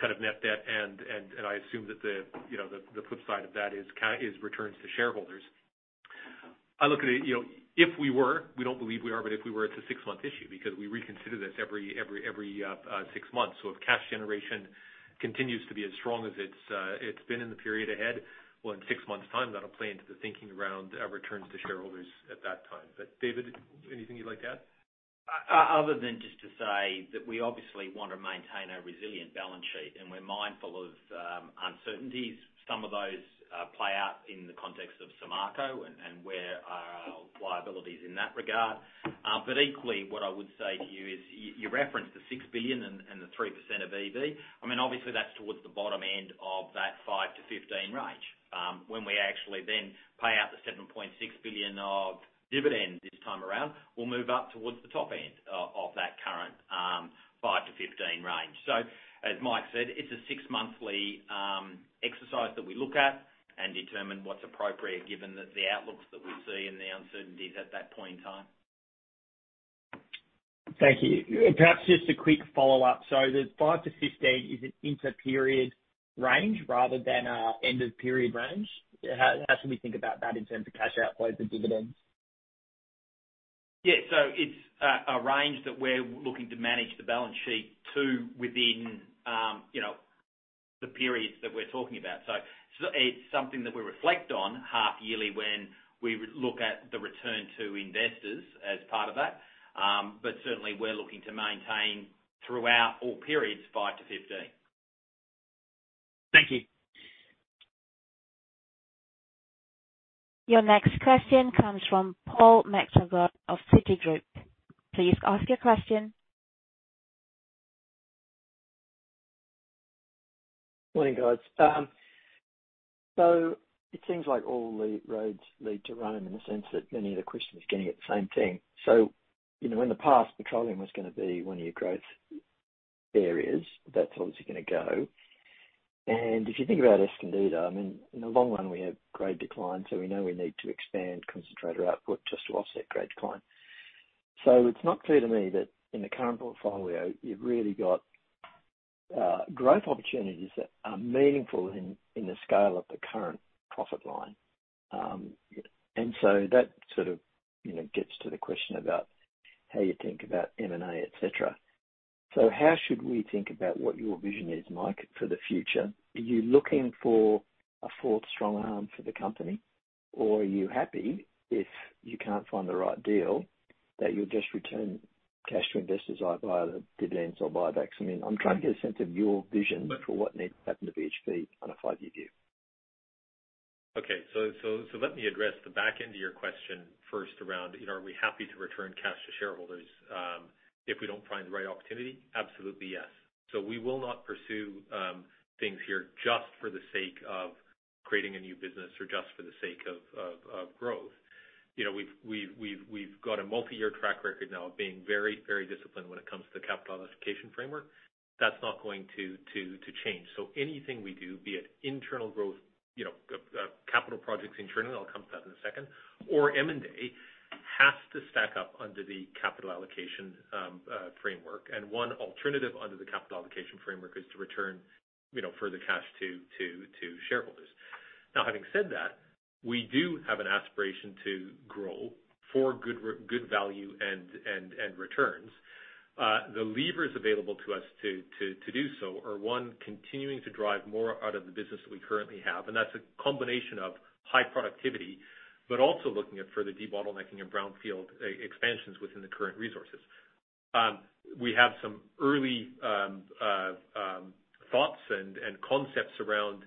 kind of net debt? And I assume that the flip side of that is returns to shareholders. I look at it, you know, if we were, we don't believe we are, but if we were, it's a six-month issue because we reconsider this every six months. If cash generation continues to be as strong as it's been in the period ahead, well in six months time, that'll play into the thinking around returns to shareholders at that time. David, anything you'd like to add? Other than just to say that we obviously want to maintain a resilient balance sheet and we're mindful of uncertainties. Some of those play out in the context of Samarco and where our liability is in that regard. But equally, what I would say to you is you referenced the $6 billion and the 3% of EV. I mean, obviously that's towards the bottom end of that $5 billion-$15 billion range. When we actually then pay out the $7.6 billion of dividend this time around, we'll move up towards the top end of that current $5 billion-$15 billion range. As Mike said, it's a six-monthly exercise that we look at and determine what's appropriate given that the outlooks that we see and the uncertainties at that point in time. Thank you. Perhaps just a quick follow-up. The $5 billion-$15 billion is an interperiod range rather than an end-of-period range. How should we think about that in terms of cash outflows and dividends? It's a range that we're looking to manage the balance sheet to within, you know, the periods that we're talking about. It's something that we reflect on half yearly when we look at the return to investors as part of that. Certainly we're looking to maintain throughout all periods, $5 billion-$15 billion. Thank you. Your next question comes from Paul McTaggart of Citigroup. Please ask your question. Morning, guys. It seems like all the roads lead to Rome in the sense that many of the questions are getting at the same thing. You know, in the past, petroleum was gonna be one of your growth areas. That's obviously gonna go. If you think about Escondida, I mean, in the long run we have grade decline, so we know we need to expand concentrator output just to offset grade decline. It's not clear to me that in the current portfolio you've really got growth opportunities that are meaningful in the scale of the current profit line. That sort of gets to the question about how you think about M&A, et cetera. How should we think about what your vision is, Mike, for the future? Are you looking for a fourth strong arm for the company, or are you happy if you can't find the right deal, that you'll just return cash to investors either via the dividends or buybacks? I mean, I'm trying to get a sense of your vision for what needs to happen to BHP on a five-year view. Okay. Let me address the back end of your question first around, you know, are we happy to return cash to shareholders if we don't find the right opportunity? Absolutely, yes. We will not pursue things here just for the sake of creating a new business or just for the sake of growth. You know, we've got a multi-year track record now of being very, very disciplined when it comes to capital allocation framework. That's not going to change. Anything we do, be it internal growth, you know, capital projects internally, I'll come to that in a second, or M&A, has to stack up under the capital allocation framework. One alternative under the capital allocation framework is to return, you know, further cash to shareholders. Now having said that, we do have an aspiration to grow for good, real good value and returns. The levers available to us to do so are one, continuing to drive more out of the business that we currently have, and that's a combination of high productivity, but also looking at further debottlenecking and brownfield expansions within the current resources. We have some early thoughts and concepts around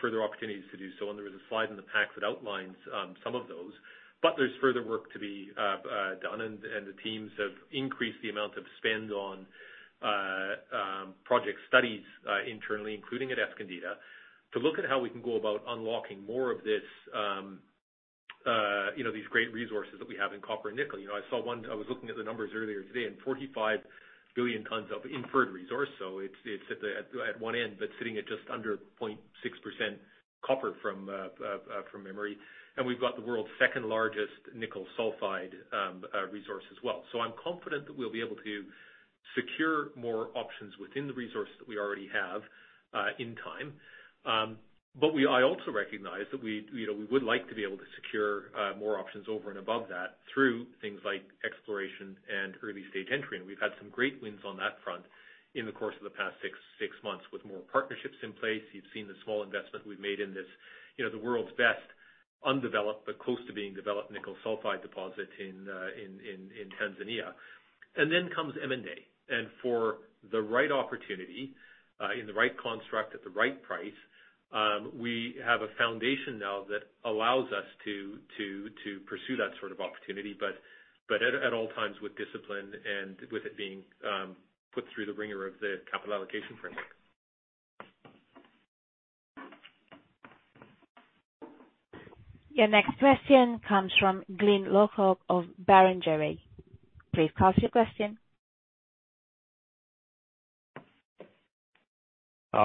further opportunities to do so, and there is a slide in the pack that outlines some of those. There's further work to be done and the teams have increased the amount of spend on project studies internally, including at Escondida, to look at how we can go about unlocking more of this, you know, these great resources that we have in copper and nickel. You know, I was looking at the numbers earlier today and 45 billion tons of inferred resource. It's at one end, but sitting at just under 0.6% copper from memory. We've got the world's second-largest nickel sulfide resource as well. I'm confident that we'll be able to secure more options within the resource that we already have in time. I also recognize that we, you know, we would like to be able to secure more options over and above that through things like exploration and early-stage entry. We've had some great wins on that front in the course of the past six months with more partnerships in place. You've seen the small investment we've made in this, you know, the world's best undeveloped but close to being developed nickel sulfide deposit in Tanzania. Then comes M&A. For the right opportunity in the right construct at the right price, we have a foundation now that allows us to pursue that sort of opportunity, but at all times with discipline and with it being put through the wringer of the capital allocation framework. Your next question comes from Glyn Lawcock of Barrenjoey. Please ask your question.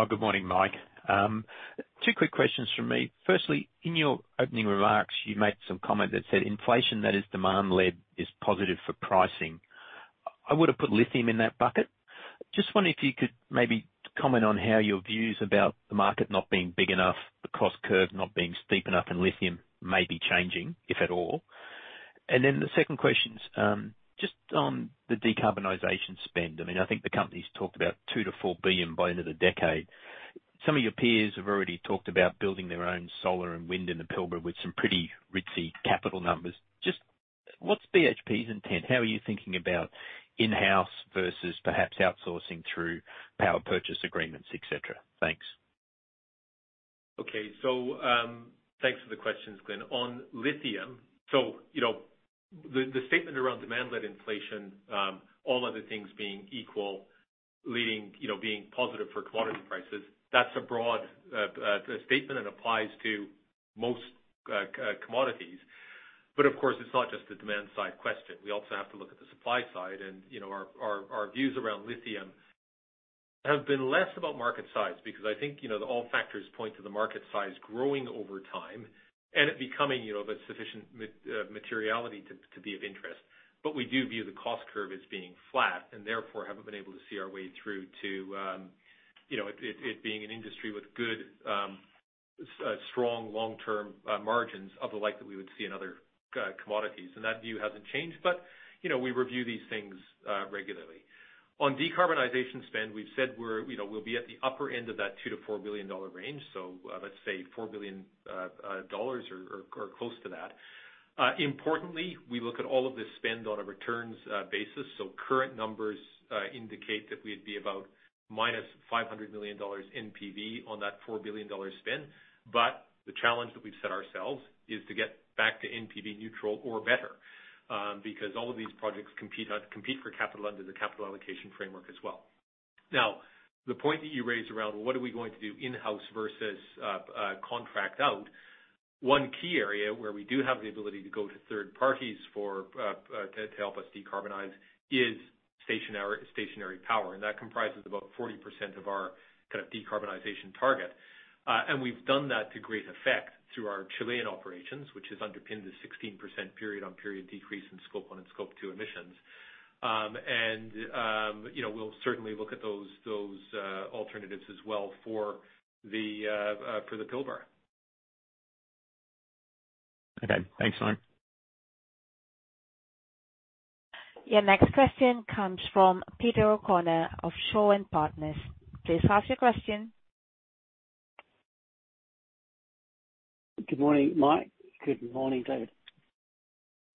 Good morning, Mike. Two quick questions from me. Firstly, in your opening remarks, you made some comment that said inflation that is demand led is positive for pricing. I would have put lithium in that bucket. Just wondering if you could maybe comment on how your views about the market not being big enough, the cost curve not being steep enough, and lithium may be changing, if at all. The second question is, just on the decarbonization spend. I mean, I think the company's talked about $2 billion-$4 billion by end of the decade. Some of your peers have already talked about building their own solar and wind in the Pilbara with some pretty ritzy capital numbers. Just what's BHP's intent? How are you thinking about in-house versus perhaps outsourcing through power purchase agreements, et cetera? Thanks. Okay. Thanks for the questions, Glyn. On lithium, you know, the statement around demand-led inflation, all other things being equal, leading, you know, being positive for commodity prices, that's a broad statement and applies to most commodities. But of course, it's not just a demand-side question. We also have to look at the supply side. You know, our views around lithium have been less about market size because I think, you know, all factors point to the market size growing over time and it becoming, you know, of a sufficient materiality to be of interest. We do view the cost curve as being flat and therefore haven't been able to see our way through to, you know, it being an industry with good, strong long-term margins of the like that we would see in other commodities. That view hasn't changed. You know, we review these things regularly. On decarbonization spend, we've said we're, you know, we'll be at the upper end of that $2 billion-$4 billion range. So let's say $4 billion or close to that. Importantly, we look at all of this spend on a returns basis. So current numbers indicate that we'd be about -$500 million NPV on that $4 billion spend. The challenge that we've set ourselves is to get back to NPV neutral or better, because all of these projects compete for capital under the capital allocation framework as well. Now, the point that you raised around what are we going to do in-house versus contract out, one key area where we do have the ability to go to third parties to help us decarbonize is stationary power, and that comprises about 40% of our kind of decarbonization target. We've done that to great effect through our Chilean operations, which has underpinned the 16% period-on-period decrease in Scope 1 and Scope 2 emissions. You know, we'll certainly look at those alternatives as well for the Pilbara. Okay, thanks, Mike. Your next question comes from Peter O'Connor of Shaw and Partners. Please ask your question. Good morning, Mike. Good morning, David.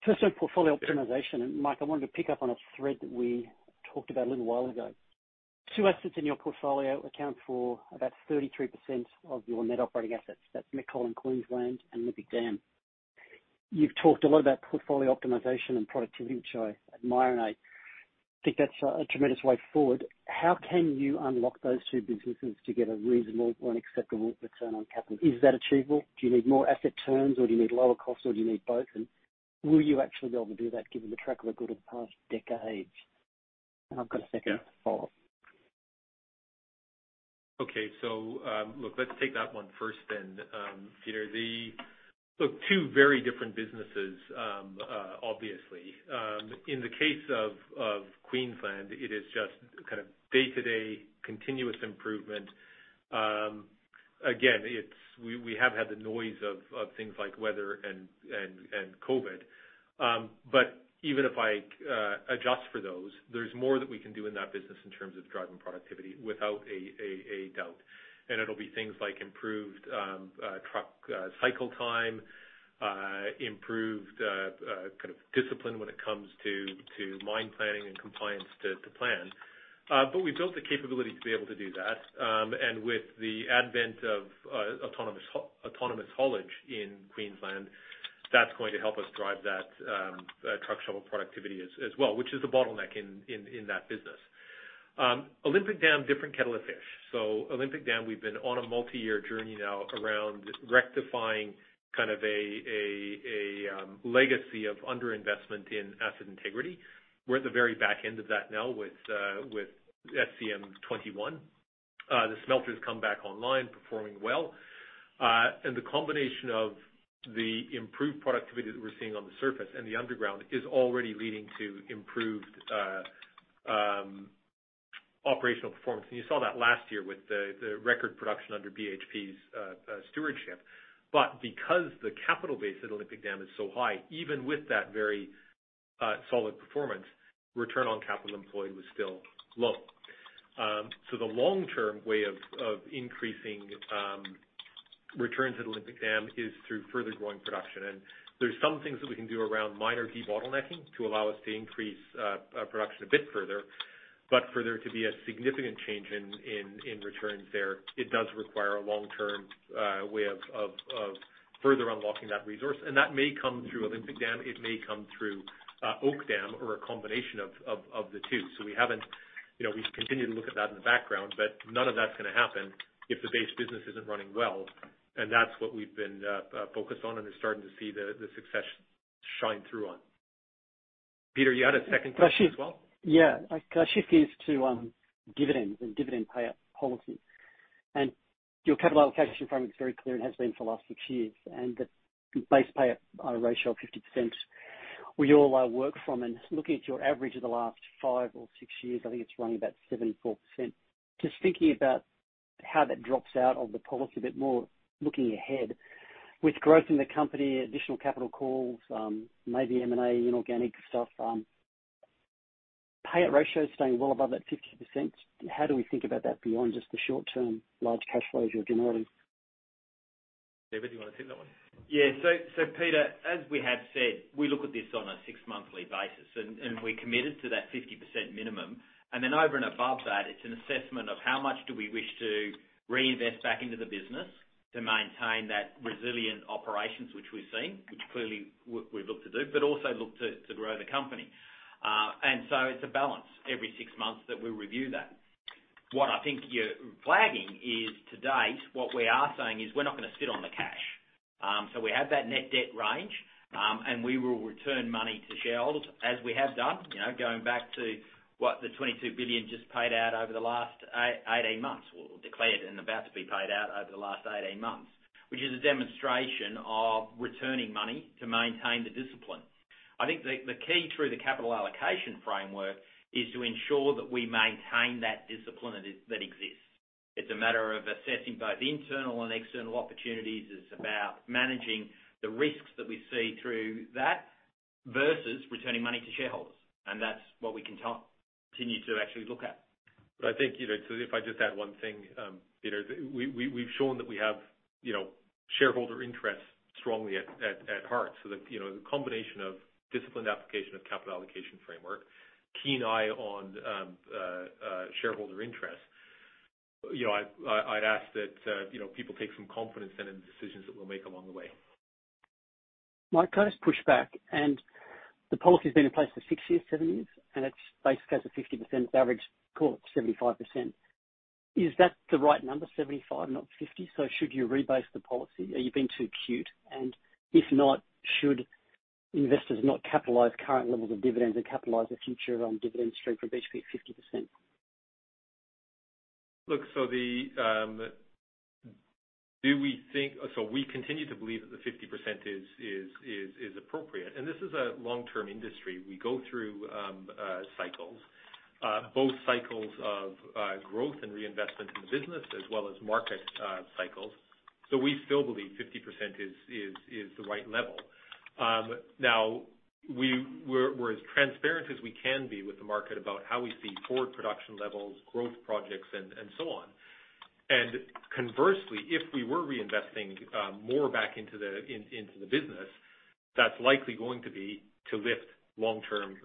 First on portfolio optimization, Mike, I wanted to pick up on a thread that we talked about a little while ago. Two assets in your portfolio account for about 33% of your net operating assets. That's BMA in Queensland and Olympic Dam. You've talked a lot about portfolio optimization and productivity, which I admire, and I think that's a tremendous way forward. How can you unlock those two businesses to get a reasonable or an acceptable return on capital? Is that achievable? Do you need more asset turns or do you need lower costs or do you need both? And will you actually be able to do that given the track record of the past decades? And I've got a second follow-up. Okay. Look, let's take that one first then. Peter, look, two very different businesses, obviously. In the case of Queensland, it is just kind of day-to-day continuous improvement. Again, we have had the noise of things like weather and COVID. Even if I adjust for those, there's more that we can do in that business in terms of driving productivity without a doubt. It'll be things like improved truck cycle time, improved kind of discipline when it comes to mine planning and compliance to plan. We built the capability to be able to do that. With the advent of autonomous haulage in Queensland, that's going to help us drive that truck shovel productivity as well, which is a bottleneck in that business. Olympic Dam, different kettle of fish. Olympic Dam, we've been on a multi-year journey now around rectifying kind of a legacy of underinvestment in asset integrity. We're at the very back end of that now with SCM 21. The smelter's come back online, performing well. The combination of the improved productivity that we're seeing on the surface and the underground is already leading to improved operational performance. You saw that last year with the record production under BHP's stewardship. Because the capital base at Olympic Dam is so high, even with that very, solid performance, return on capital employed was still low. The long-term way of increasing returns at Olympic Dam is through further growing production. There's some things that we can do around minor debottlenecking to allow us to increase production a bit further. For there to be a significant change in returns there, it does require a long-term way of further unlocking that resource. That may come through Olympic Dam, it may come through Oak Dam or a combination of the two. We haven't, you know, we continue to look at that in the background, but none of that's gonna happen if the base business isn't running well. That's what we've been focused on and are starting to see the success shine through on. Peter, you had a second question as well? Yeah. Can I shift gears to dividends and dividend payout policy? Your capital allocation framework is very clear and has been for the last six years, and the base payout ratio of 50% where you all work from. Looking at your average of the last five or six years, I think it's running about 74%. Just thinking about how that drops out of the policy a bit more looking ahead. With growth in the company, additional capital calls, maybe M&A, inorganic stuff, payout ratio is staying well above that 50%. How do we think about that beyond just the short-term large cash flows you're generating? David, do you wanna take that one? Peter, as we have said, we look at this on a six-monthly basis, and we're committed to that 50% minimum. Over and above that, it's an assessment of how much do we wish to reinvest back into the business to maintain that resilient operations which we've seen, which clearly we look to do, but also look to grow the company. It's a balance every six months that we review that. What I think you're flagging is, to date, what we are saying is we're not gonna sit on the cash. We have that net debt range, and we will return money to shareholders as we have done, you know, going back to what the $22 billion just paid out over the last 18 months, or declared and about to be paid out over the last 18 months, which is a demonstration of returning money to maintain the discipline. I think the key through the capital allocation framework is to ensure that we maintain that discipline that exists. It's a matter of assessing both internal and external opportunities. It's about managing the risks that we see through that versus returning money to shareholders, and that's what we continue to actually look at. I think, you know, so if I just add one thing, Peter. We've shown that we have, you know, shareholder interest strongly at heart so that, you know, the combination of disciplined application of capital allocation framework, keen eye on shareholder interest. You know, I'd ask that, you know, people take some confidence then in decisions that we'll make along the way. Mike, can I just push back, and the policy's been in place for six years, seven years, and it basically has a 50% average, call it 75%. Is that the right number, 75%, not 50%? Should you rebase the policy? Are you being too cute? If not, should investors not capitalize current levels of dividends and capitalize the future, dividend stream from BHP at 50%? We continue to believe that the 50% is appropriate. This is a long-term industry. We go through cycles, both cycles of growth and reinvestment in the business as well as market cycles. We still believe 50% is the right level. We're as transparent as we can be with the market about how we see forward production levels, growth projects, and so on. Conversely, if we were reinvesting more back into the business, that's likely going to be to lift long-term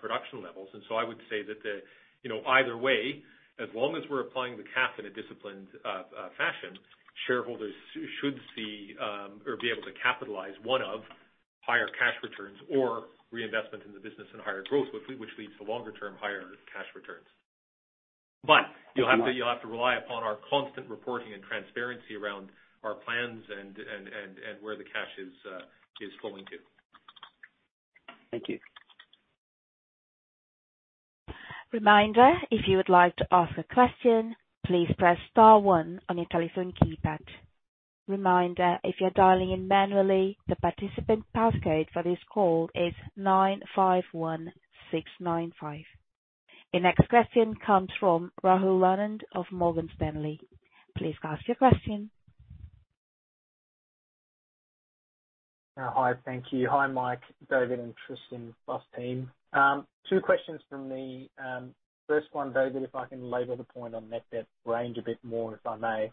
production levels. I would say that the, you know, either way, as long as we're applying the cap in a disciplined fashion, shareholders should see or be able to capitalize on higher cash returns or reinvestment in the business and higher growth, which leads to longer term higher cash returns. You'll have to rely upon our constant reporting and transparency around our plans and where the cash is flowing to. Thank you. The next question comes from Rahul Anand of Morgan Stanley. Please ask your question. Hi. Thank you. Hi, Mike, David, and Tristan, plus team. Two questions from me. First one, David, if I can labor the point on net debt range a bit more, if I may.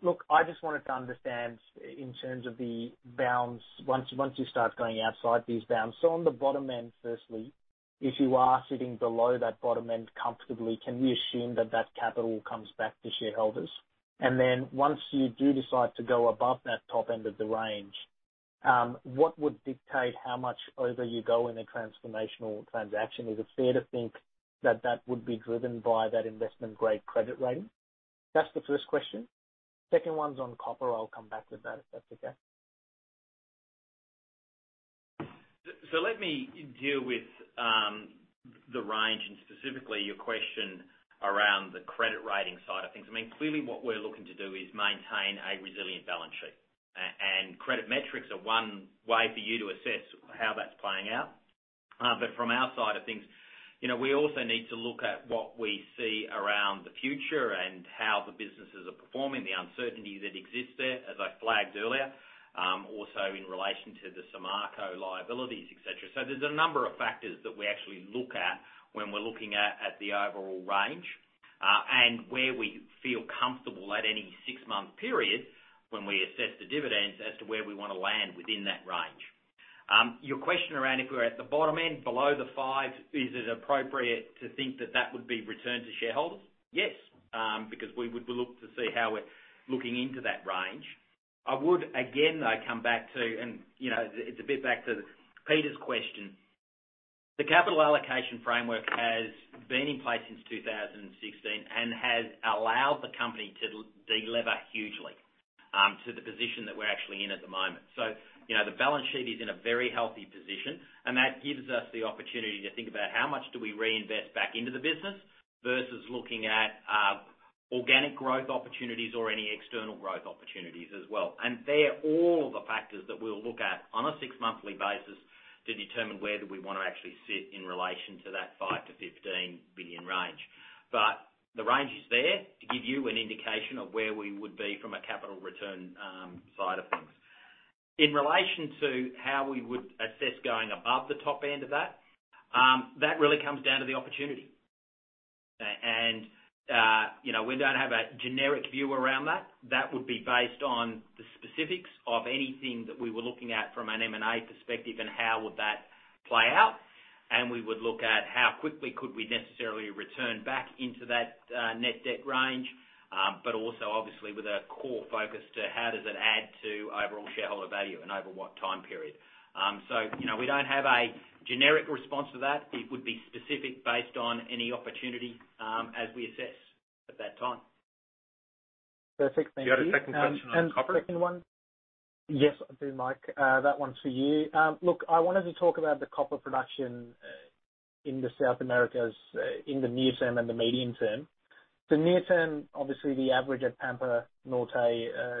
Look, I just wanted to understand in terms of the bounds, once you start going outside these bounds. On the bottom end, firstly, if you are sitting below that bottom end comfortably, can we assume that capital comes back to shareholders? Then once you do decide to go above that top end of the range, what would dictate how much over you go in a transformational transaction? Is it fair to think that would be driven by that investment-grade credit rating? That's the first question. Second one's on copper. I'll come back with that, if that's okay. Let me deal with the range and specifically your question around the credit rating side of things. I mean, clearly what we're looking to do is maintain a resilient balance sheet, and credit metrics are one way for you to assess how that's playing out. From our side of things, you know, we also need to look at what we see around the future and how the businesses are performing, the uncertainty that exists there, as I flagged earlier, also in relation to the Samarco liabilities, et cetera. There's a number of factors that we actually look at when we're looking at the overall range, and where we feel comfortable at any six-month period when we assess the dividends as to where we wanna land within that range. Your question around if we're at the bottom end, below the five, is it appropriate to think that that would be returned to shareholders? Yes, because we would look to see how we're looking into that range. I would again, though, come back to, you know, it's a bit back to Peter's question. The capital allocation framework has been in place since 2016 and has allowed the company to deliver hugely to the position that we're actually in at the moment. You know, the balance sheet is in a very healthy position, and that gives us the opportunity to think about how much do we reinvest back into the business versus looking at organic growth opportunities or any external growth opportunities as well. They're all the factors that we'll look at on a six monthly basis to determine whether we wanna actually sit in relation to that $5 billion-$15 billion range. The range is there to give you an indication of where we would be from a capital return side of things. In relation to how we would assess going above the top end of that really comes down to the opportunity. You know, we don't have a generic view around that. That would be based on the specifics of anything that we were looking at from an M&A perspective and how would that play out. We would look at how quickly could we necessarily return back into that, net debt range, but also obviously with a core focus to how does it add to overall shareholder value and over what time period. You know, we don't have a generic response to that. It would be specific based on any opportunity, as we assess at that time. Perfect. Thank you. You had a second question on copper? Second one. Yes, I do, Mike, that one's for you. Look, I wanted to talk about the copper production in South America in the near term and the medium term. The near term, obviously the average at Pampa Norte,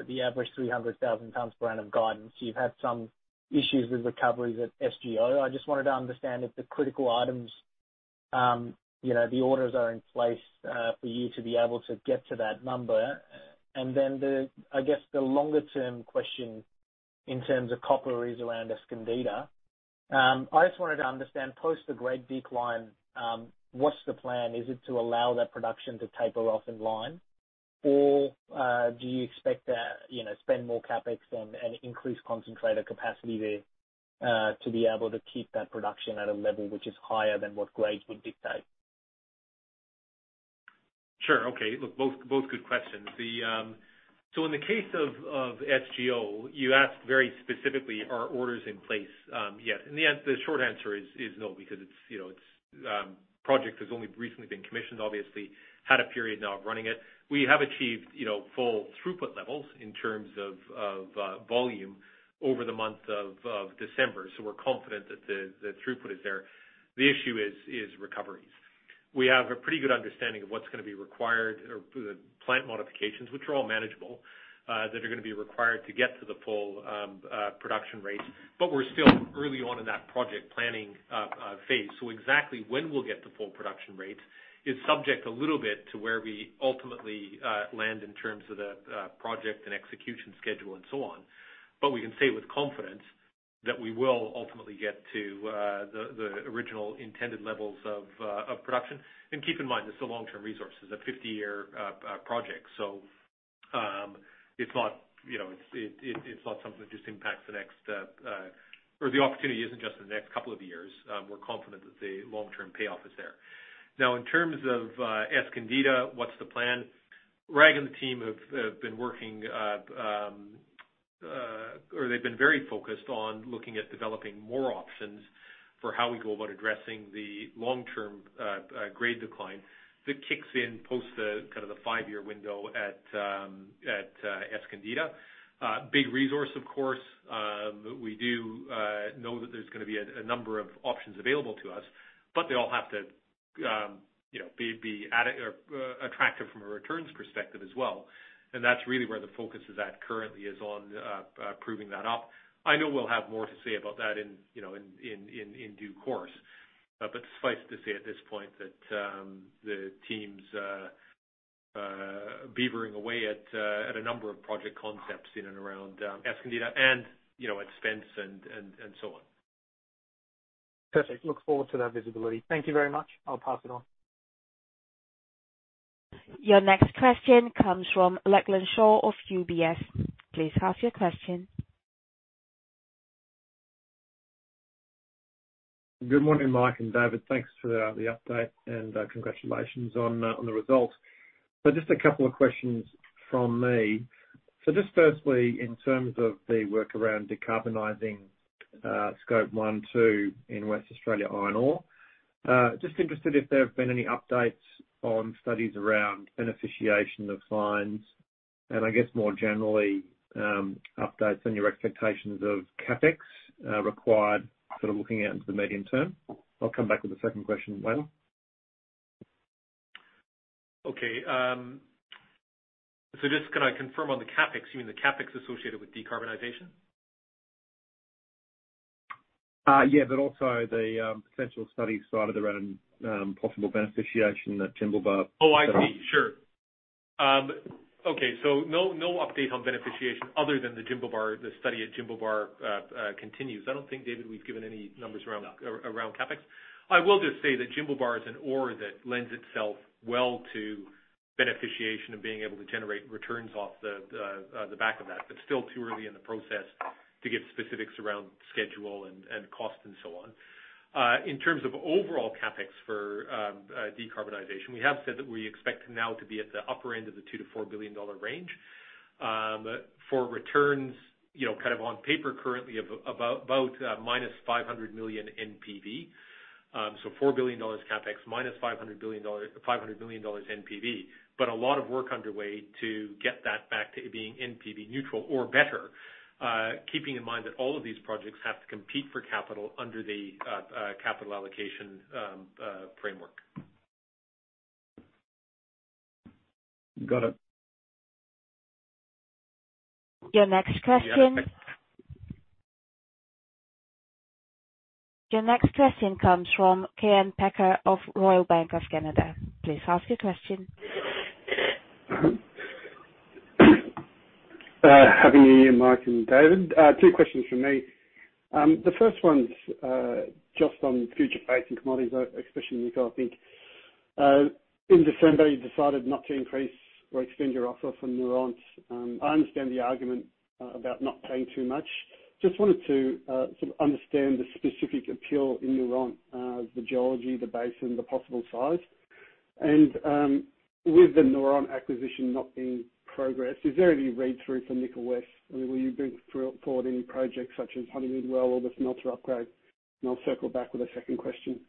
the average 300,000 tons per annum guidance. You've had some issues with recoveries at SGO. I just wanted to understand if the critical items, you know, the orders are in place for you to be able to get to that number. The longer-term question in terms of copper is around Escondida. I just wanted to understand, post the grade decline, what's the plan? Is it to allow that production to taper off in line? Do you expect to, you know, spend more CapEx and increase concentrator capacity there, to be able to keep that production at a level which is higher than what grade would dictate? Sure. Okay. Look, both good questions. So in the case of SGO, you asked very specifically, are orders in place? Yes. And the short answer is no, because it's, you know, its project has only recently been commissioned, obviously. We have had a period now of running it. We have achieved, you know, full throughput levels in terms of volume over the month of December, so we're confident that the throughput is there. The issue is recoveries. We have a pretty good understanding of what's gonna be required of the plant modifications, which are all manageable, that are gonna be required to get to the full production rate. We're still early on in that project planning phase. Exactly when we'll get to full production rate is subject a little bit to where we ultimately land in terms of the project and execution schedule and so on. We can say with confidence that we will ultimately get to the original intended levels of production. Keep in mind, this is a long-term resource. This is a 50-year project. It's not, you know, it's not something that just impacts the next or the opportunity isn't just in the next couple of years. We're confident that the long-term payoff is there. Now, in terms of Escondida, what's the plan? Rag and the team have been very focused on looking at developing more options for how we go about addressing the long-term grade decline that kicks in post the kind of the five-year window at Escondida. Big resource of course. We do know that there's gonna be a number of options available to us, but they all have to you know, be adequate or attractive from a returns perspective as well. That's really where the focus is at currently, is on proving that up. I know we'll have more to say about that in you know, in due course. Suffice to say at this point that the team's beavering away at a number of project concepts in and around Escondida and, you know, at Spence and so on. Perfect. Look forward to that visibility. Thank you very much. I'll pass it on. Your next question comes from Lachlan Shaw of UBS. Please ask your question. Good morning, Mike and David. Thanks for the update and congratulations on the results. Just a couple of questions from me. Just firstly, in terms of the work around decarbonizing Scope 1 and 2 in Western Australia Iron Ore, just interested if there have been any updates on studies around beneficiation of fines and I guess more generally, updates on your expectations of CapEx required sort of looking out into the medium term. I'll come back with a second question later. Okay. Just can I confirm on the CapEx, you mean the CapEx associated with decarbonization? Yeah, also the potential studies side of things around possible beneficiation at Jimblebar. Oh, I see. Sure. Okay. No update on beneficiation other than the Jimblebar, the study at Jimblebar, continues. I don't think, David, we've given any numbers around- No. around CapEx. I will just say that Jimblebar is an ore that lends itself well to beneficiation and being able to generate returns off the back of that. Still too early in the process to give specifics around schedule and cost and so on. In terms of overall CapEx for decarbonization, we have said that we expect now to be at the upper end of the $2 billion-$4 billion range. For returns, you know, kind of on paper currently of about -$500 million NPV. So $4 billion CapEx -$500 million NPV. A lot of work underway to get that back to being NPV neutral or better, keeping in mind that all of these projects have to compete for capital under the capital allocation framework. Got it. Your next question comes from Kaan Peker of Royal Bank of Canada. Please ask your question. Happy new year, Mike and David. Two questions from me. The first one's just on future pricing commodities, especially because I think in December you decided not to increase or extend your offer for Noront. I understand the argument about not paying too much. Just wanted to sort of understand the specific appeal in Noront, the geology, the basin, the possible size. With the Noront acquisition not being progressed, is there any read-through from Nickel West? I mean, will you bring forward any projects such as Honeymoon Well or the smelter upgrade? I'll circle back with a second question.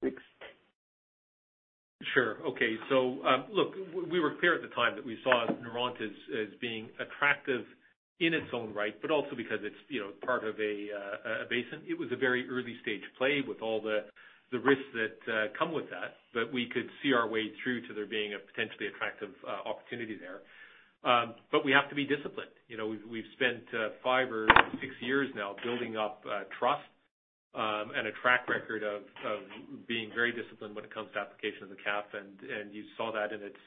Thanks. Sure. Okay. Look, we were clear at the time that we saw Noront as being attractive in its own right, but also because it's, you know, part of a basin. It was a very early stage play with all the risks that come with that, but we could see our way through to there being a potentially attractive opportunity there. We have to be disciplined. You know, we've spent five or six years now building up trust and a track record of being very disciplined when it comes to application of the cap, and you saw that in its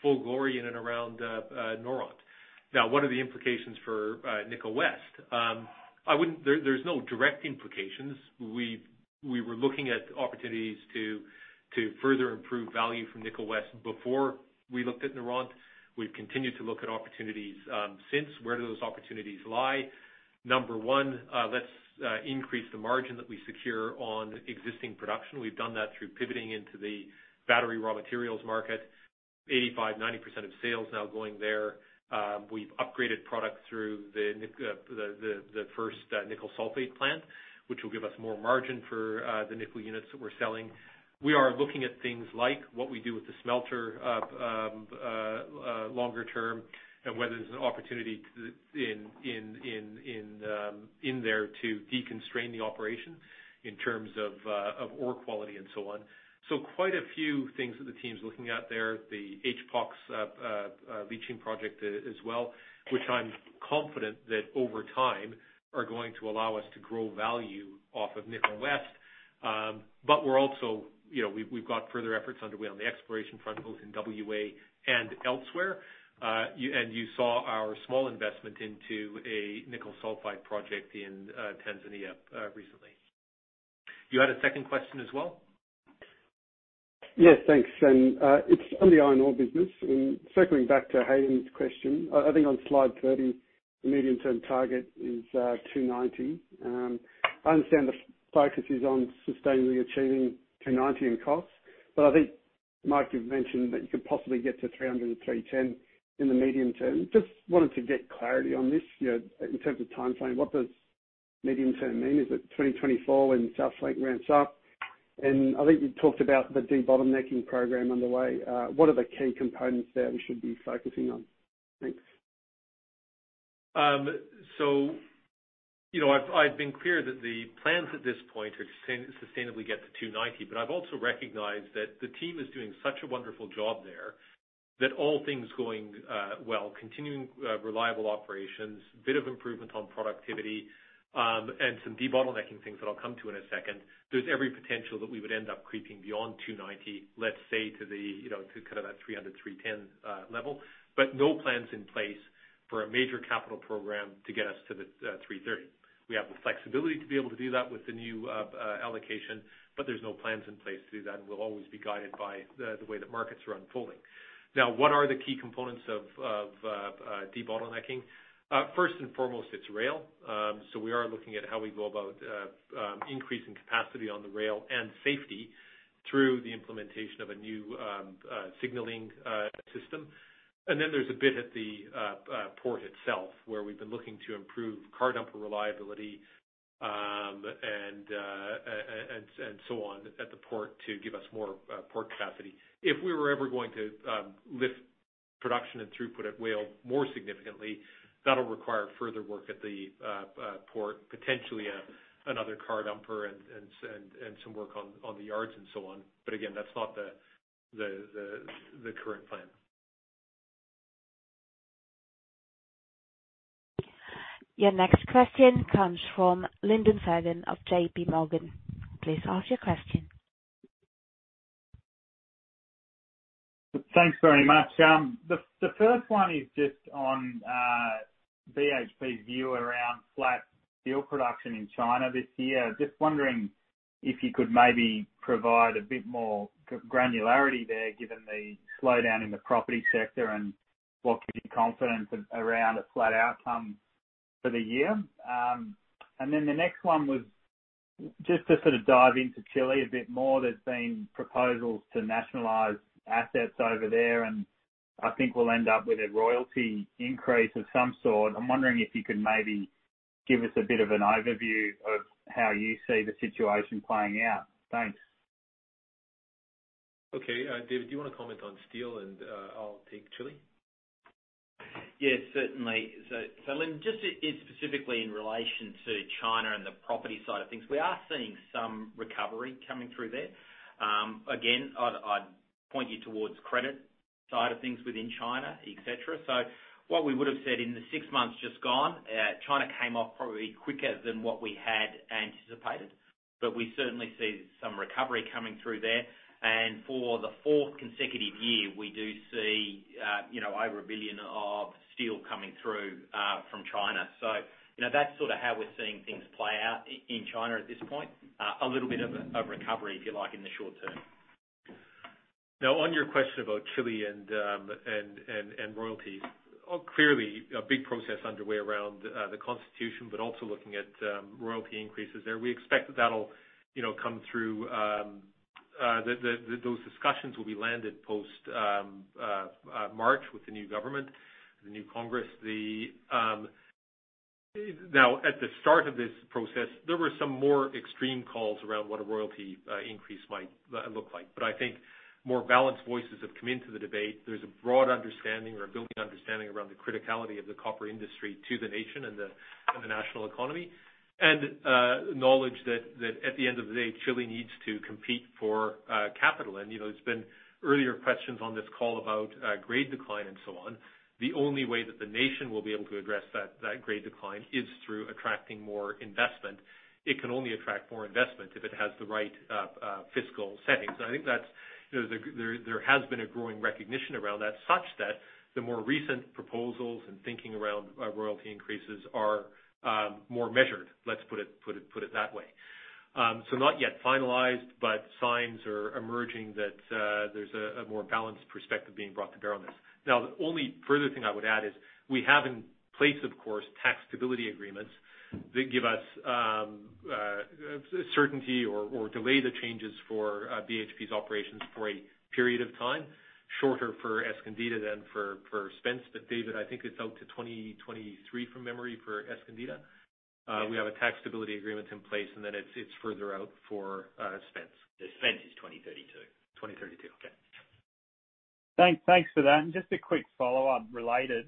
full glory in and around Noront. Now, what are the implications for Nickel West? I wouldn't. There's no direct implications. We were looking at opportunities to further improve value from Nickel West before we looked at Noront. We've continued to look at opportunities since. Where do those opportunities lie? Number one, let's increase the margin that we secure on existing production. We've done that through pivoting into the battery raw materials market. 85%-90% of sales now going there. We've upgraded products through the first nickel sulfate plant, which will give us more margin for the nickel units that we're selling. We are looking at things like what we do with the smelter longer term and whether there's an opportunity in there to deconstrain the operation in terms of ore quality and so on. Quite a few things that the team's looking at there. The HPAL leaching project as well, which I'm confident that over time are going to allow us to grow value off of Nickel West. We're also. We've got further efforts underway on the exploration front, both in WA and elsewhere. You saw our small investment into a nickel sulfide project in Tanzania recently. You had a second question as well? Yes, thanks. It's on the iron ore business. Circling back to Hayden's question, I think on slide 30, the medium-term target is 290. I understand the focus is on sustainably achieving 290 in costs, but I think, Mike, you've mentioned that you could possibly get to 300 and 310 in the medium term. Just wanted to get clarity on this, you know, in terms of timeframe. What does medium term mean? Is it 2024 when South Flank ramps up? I think you talked about the debottlenecking program underway. What are the key components there we should be focusing on? Thanks. You know, I've been clear that the plans at this point are to sustainably get to 290, but I've also recognized that the team is doing such a wonderful job there that all things going well, continuing reliable operations, bit of improvement on productivity, and some debottlenecking things that I'll come to in a second. There's every potential that we would end up creeping beyond 290, let's say to the, you know, to kind of that 300, 310 level, but no plans in place for a major capital program to get us to the 330. We have the flexibility to be able to do that with the new allocation, but there's no plans in place to do that. We'll always be guided by the way that markets are unfolding. Now, what are the key components of debottlenecking? First and foremost, it's rail. We are looking at how we go about increasing capacity on the rail and safety through the implementation of a new signaling system. There's a bit at the port itself, where we've been looking to improve car dumper reliability and so on at the port to give us more port capacity. If we were ever going to lift production and throughput at WAIO more significantly, that'll require further work at the port, potentially another car dumper and some work on the yards and so on. Again, that's not the current plan. Your next question comes from Lyndon Fagan of JPMorgan. Please ask your question. Thanks very much. The first one is just on BHP's view around flat steel production in China this year. Just wondering if you could maybe provide a bit more granularity there, given the slowdown in the property sector and what gives you confidence around a flat outcome for the year? The next one was just to sort of dive into Chile a bit more. There's been proposals to nationalize assets over there, and I think we'll end up with a royalty increase of some sort. I'm wondering if you could maybe give us a bit of an overview of how you see the situation playing out. Thanks. Okay. David, do you wanna comment on steel and, I'll take Chile? Yes, certainly. So, Lyndon, just in specifically in relation to China and the property side of things, we are seeing some recovery coming through there. Again, I'd point you towards credit side of things within China, et cetera. What we would've said in the six months just gone, China came off probably quicker than what we had anticipated, but we certainly see some recovery coming through there. For the fourth consecutive year, we do see, you know, over a billion of steel coming through from China. You know, that's sort of how we're seeing things play out in China at this point. A little bit of recovery, if you like, in the short term. Now, on your question about Chile and royalties. Clearly a big process underway around the constitution, but also looking at royalty increases there. We expect that that'll come through, those discussions will be landed post March with the new government, the new Congress. Now at the start of this process, there were some more extreme calls around what a royalty increase might look like. I think more balanced voices have come into the debate. There's a broad understanding or a building understanding around the criticality of the copper industry to the nation and the national economy. Knowledge that at the end of the day, Chile needs to compete for capital. You know, there's been earlier questions on this call about grade decline and so on. The only way that the nation will be able to address that grade decline is through attracting more investment. It can only attract more investment if it has the right fiscal settings. I think that's, you know, there has been a growing recognition around that such that the more recent proposals and thinking around royalty increases are more measured, let's put it that way. Not yet finalized, but signs are emerging that there's a more balanced perspective being brought to bear on this. Now, the only further thing I would add is we have in place, of course, tax stability agreements that give us certainty or delay the changes for BHP's operations for a period of time, shorter for Escondida than for Spence. David, I think it's out to 2023 from memory for Escondida. Yeah. We have a tax stability agreement in place, and then it's further out for Spence. Spence is 2032. 2032. Okay. Thanks for that. Just a quick follow-up related.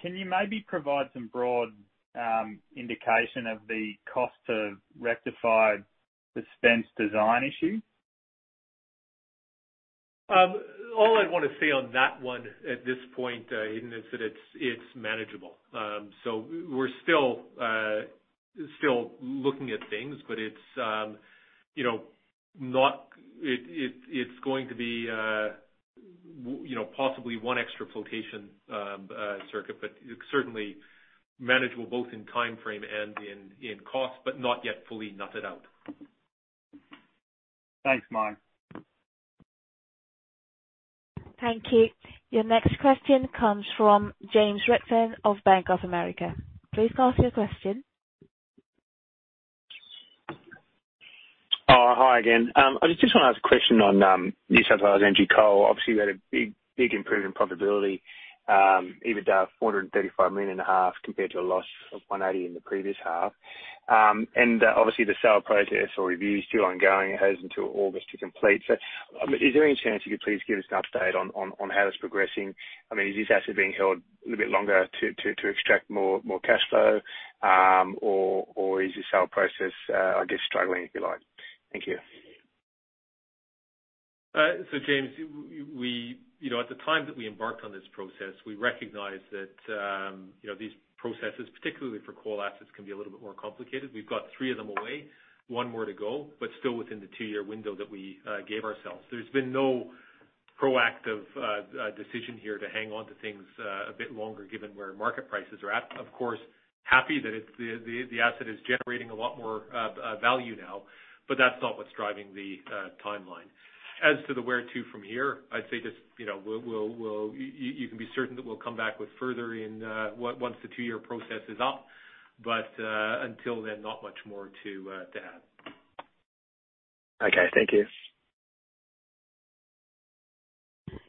Can you maybe provide some broad indication of the cost to rectify the Spence design issue? All I'd wanna say on that one at this point, Lyndon, is that it's manageable. We're still looking at things, but it's, you know, going to be, you know, possibly one extra flotation circuit, but certainly manageable both in timeframe and in cost, but not yet fully nutted out. Thanks, Mike. Thank you. Your next question comes from James Redfern of Bank of America. Please ask your question. Hi again. I just wanna ask a question on New South Wales Energy Coal. Obviously, you had a big improvement in profitability, EBITDA of $435.5 million compared to a loss of $180 million in the previous half. And obviously the sale process or review is still ongoing. It has until August to complete. I mean, is there any chance you could please give us an update on how that's progressing? I mean, is this asset being held a little bit longer to extract more cash flow, or is the sale process, I guess, struggling, if you like? Thank you. James, you know, at the time that we embarked on this process, we recognized that, you know, these processes, particularly for coal assets, can be a little bit more complicated. We've got three of them away, one more to go, but still within the two-year window that we gave ourselves. There's been no proactive decision here to hang on to things a bit longer, given where market prices are at. Of course, happy that it's the asset is generating a lot more value now, but that's not what's driving the timeline. As to the where to from here, I'd say just, you know, you can be certain that we'll come back with further in once the two-year process is up. Until then, not much more to add. Okay, thank you.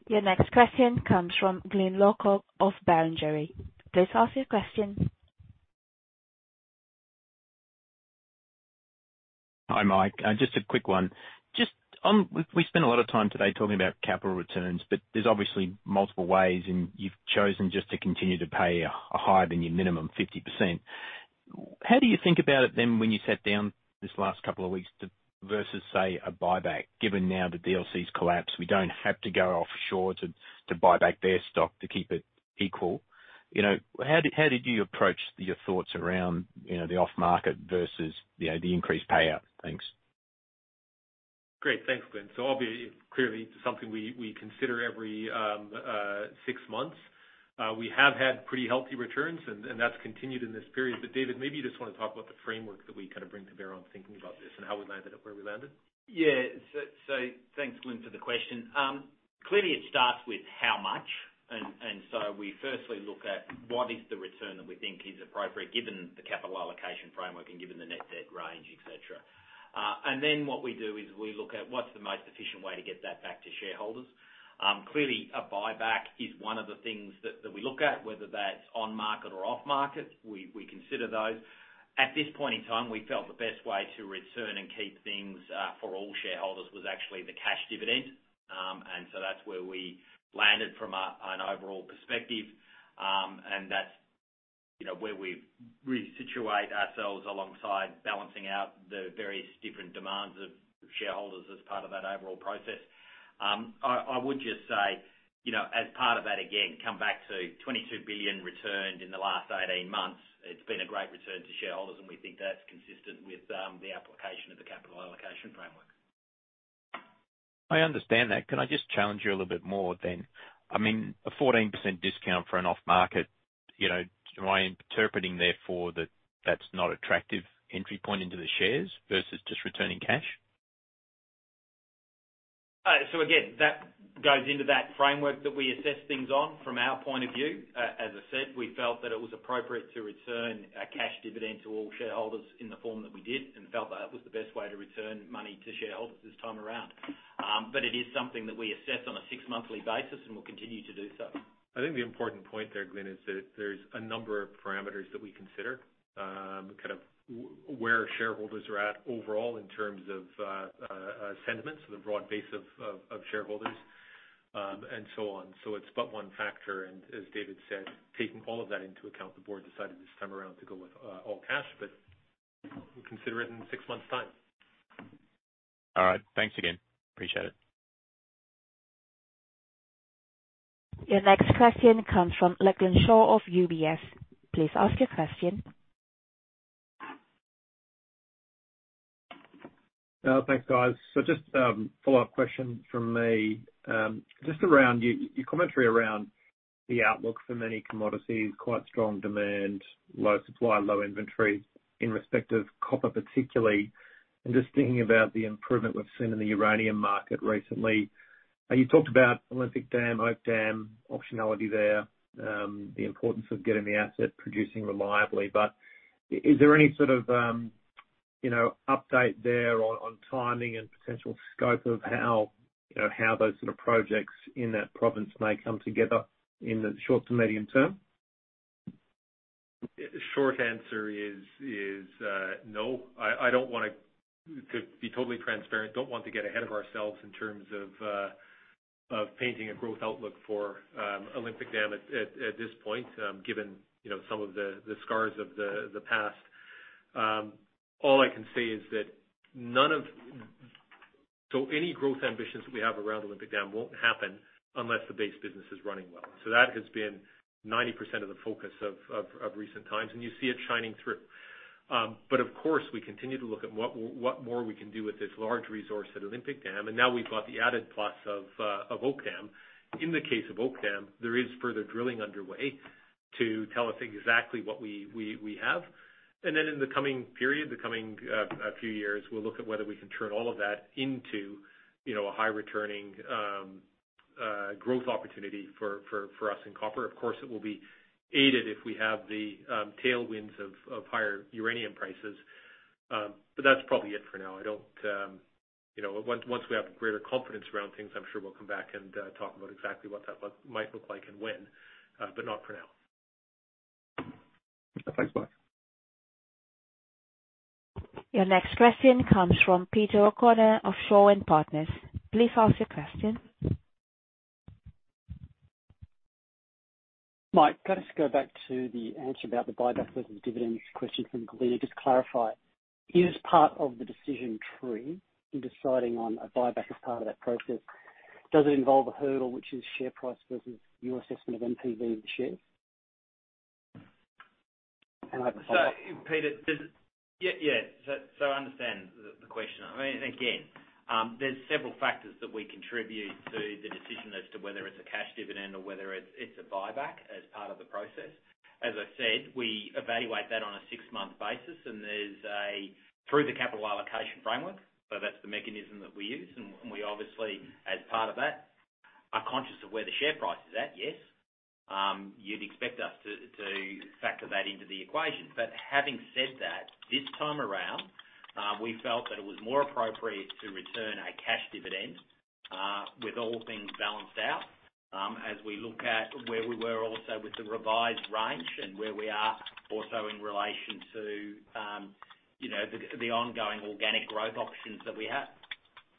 Your next question comes from Glyn Lawcock of Barrenjoey. Please ask your question. Hi, Mike. Just a quick one. We spent a lot of time today talking about capital returns, but there's obviously multiple ways, and you've chosen just to continue to pay a higher than your minimum 50%. How do you think about it then when you sat down this last couple of weeks to versus, say, a buyback, given now the DLC has collapsed, we don't have to go offshore to buy back their stock to keep it equal. You know, how did you approach your thoughts around, you know, the off market versus, you know, the increased payout? Thanks. Great. Thanks, Glyn. Obviously, clearly something we consider every six months. We have had pretty healthy returns and that's continued in this period. David, maybe you just wanna talk about the framework that we kind of bring to bear on thinking about this and how we landed it where we landed. Yeah. Thanks, Glyn, for the question. Clearly, it starts with how much. We firstly look at what is the return that we think is appropriate given the capital allocation framework and given the net debt range, et cetera. We look at what's the most efficient way to get that back to shareholders. Clearly, a buyback is one of the things that we look at, whether that's on-market or off-market, we consider those. At this point in time, we felt the best way to return and keep things for all shareholders was actually the cash dividend. That's where we landed from an overall perspective. That's, you know, where we resituate ourselves alongside balancing out the various different demands of shareholders as part of that overall process. I would just say, you know, as part of that, again, come back to $22 billion returned in the last 18 months. It's been a great return to shareholders, and we think that's consistent with the application of the capital allocation framework. I understand that. Can I just challenge you a little bit more then? I mean, a 14% discount for an off-market, you know, am I interpreting therefore that that's not attractive entry point into the shares versus just returning cash? That goes into that framework that we assess things on from our point of view. As I said, we felt that it was appropriate to return a cash dividend to all shareholders in the form that we did, and felt that was the best way to return money to shareholders this time around. It is something that we assess on a six-monthly basis and will continue to do so. I think the important point there, Glyn, is that there's a number of parameters that we consider, kind of where shareholders are at overall in terms of sentiments, the broad base of shareholders, and so on. It's but one factor, and as David said, taking all of that into account, the board decided this time around to go with all cash, but we'll consider it in six months' time. All right. Thanks again. Appreciate it. Your next question comes from Lachlan Shaw of UBS. Please ask your question. Thanks, guys. Just a follow-up question from me. Just around your commentary around the outlook for many commodities, quite strong demand, low supply, low inventory in respect of copper particularly. Just thinking about the improvement we've seen in the uranium market recently. You talked about Olympic Dam, Oak Dam, optionality there, the importance of getting the asset producing reliably. Is there any sort of, you know, update there on timing and potential scope of how, you know, how those sort of projects in that province may come together in the short to medium term? Short answer is no. To be totally transparent, I don't want to get ahead of ourselves in terms of painting a growth outlook for Olympic Dam at this point, given you know some of the scars of the past. All I can say is that any growth ambitions we have around Olympic Dam won't happen unless the base business is running well. That has been 90% of the focus of recent times, and you see it shining through. But of course, we continue to look at what more we can do with this large resource at Olympic Dam, and now we've got the added plus of Oak Dam. In the case of Olympic Dam, there is further drilling underway to tell us exactly what we have. Then in the coming few years, we'll look at whether we can turn all of that into, you know, a high returning growth opportunity for us in copper. Of course, it will be aided if we have the tailwinds of higher uranium prices. That's probably it for now. Once we have greater confidence around things, I'm sure we'll come back and talk about exactly what that might look like and when, but not for now. Thanks, bye. Your next question comes from Peter O'Connor of Shaw and Partners. Please ask your question. Mike, can I just go back to the answer about the buyback versus dividends question from Glyn Lawcock, just to clarify. Is part of the decision tree in deciding on a buyback as part of that process, does it involve a hurdle which is share price versus your assessment of NPV of the shares? Peter, I understand the question. I mean, again, there's several factors that we contribute to the decision as to whether it's a cash dividend or whether it's a buyback as part of the process. As I said, we evaluate that on a six-month basis, and through the Capital Allocation Framework, that's the mechanism that we use. We obviously, as part of that, are conscious of where the share price is at, yes. You'd expect us to factor that into the equation. Having said that, this time around, we felt that it was more appropriate to return a cash dividend, with all things balanced out, as we look at where we were also with the revised range and where we are also in relation to, you know, the ongoing organic growth options that we have.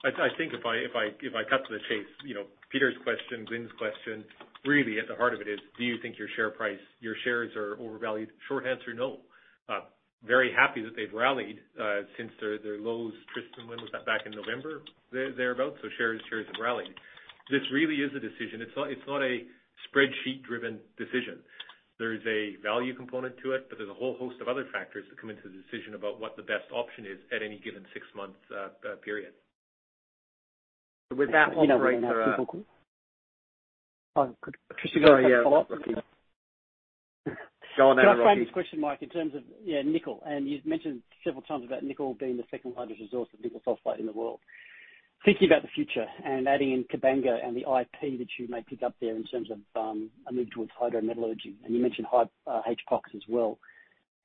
I think if I cut to the chase, you know, Peter's question, Glyn's question, really at the heart of it is, do you think your share price, your shares are overvalued? Short answer, no. Very happy that they've rallied since their lows. Tristan, when was that? Back in November, thereabout. Shares have rallied. This really is a decision. It's not a spreadsheet-driven decision. There is a value component to it, but there's a whole host of other factors that come into the decision about what the best option is at any given six-month period. With that, operator. Can I just follow up? Sorry, yeah. Go on. Can I frame this question, Mike, in terms of, yeah, nickel. You've mentioned several times about nickel being the second largest resource of nickel sulfate in the world. Thinking about the future and adding in Kabanga and the IP that you may pick up there in terms of a move towards hydrometallurgy, and you mentioned HPAL as well.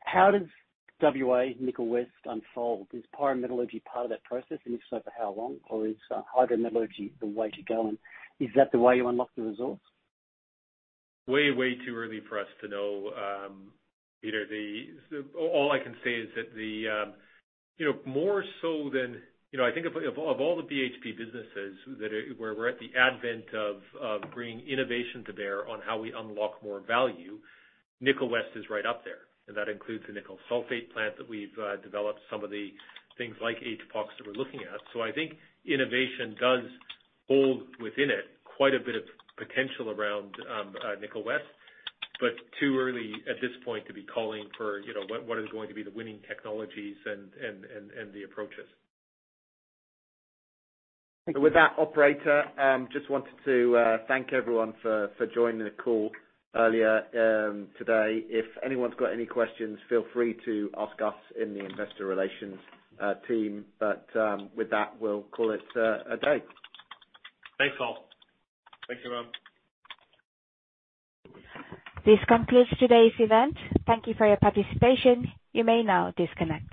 How does WA Nickel West unfold? Is pyrometallurgy part of that process? And if so, for how long? Or is hydrometallurgy the way to go? And is that the way you unlock the resource? Way, way too early for us to know, Peter. All I can say is that you know, more so than, you know, I think of all the BHP businesses that are where we're at the advent of bringing innovation to bear on how we unlock more value, Nickel West is right up there. That includes the nickel sulphate plant that we've developed some of the things like HPAL that we're looking at. I think innovation does hold within it quite a bit of potential around Nickel West, but too early at this point to be calling for, you know, what is going to be the winning technologies and the approaches. With that, operator, just wanted to thank everyone for joining the call earlier today. If anyone's got any questions, feel free to ask us in the Investor Relations team. With that, we'll call it a day. Thanks, all. Thanks, everyone. This concludes today's event. Thank you for your participation. You may now disconnect.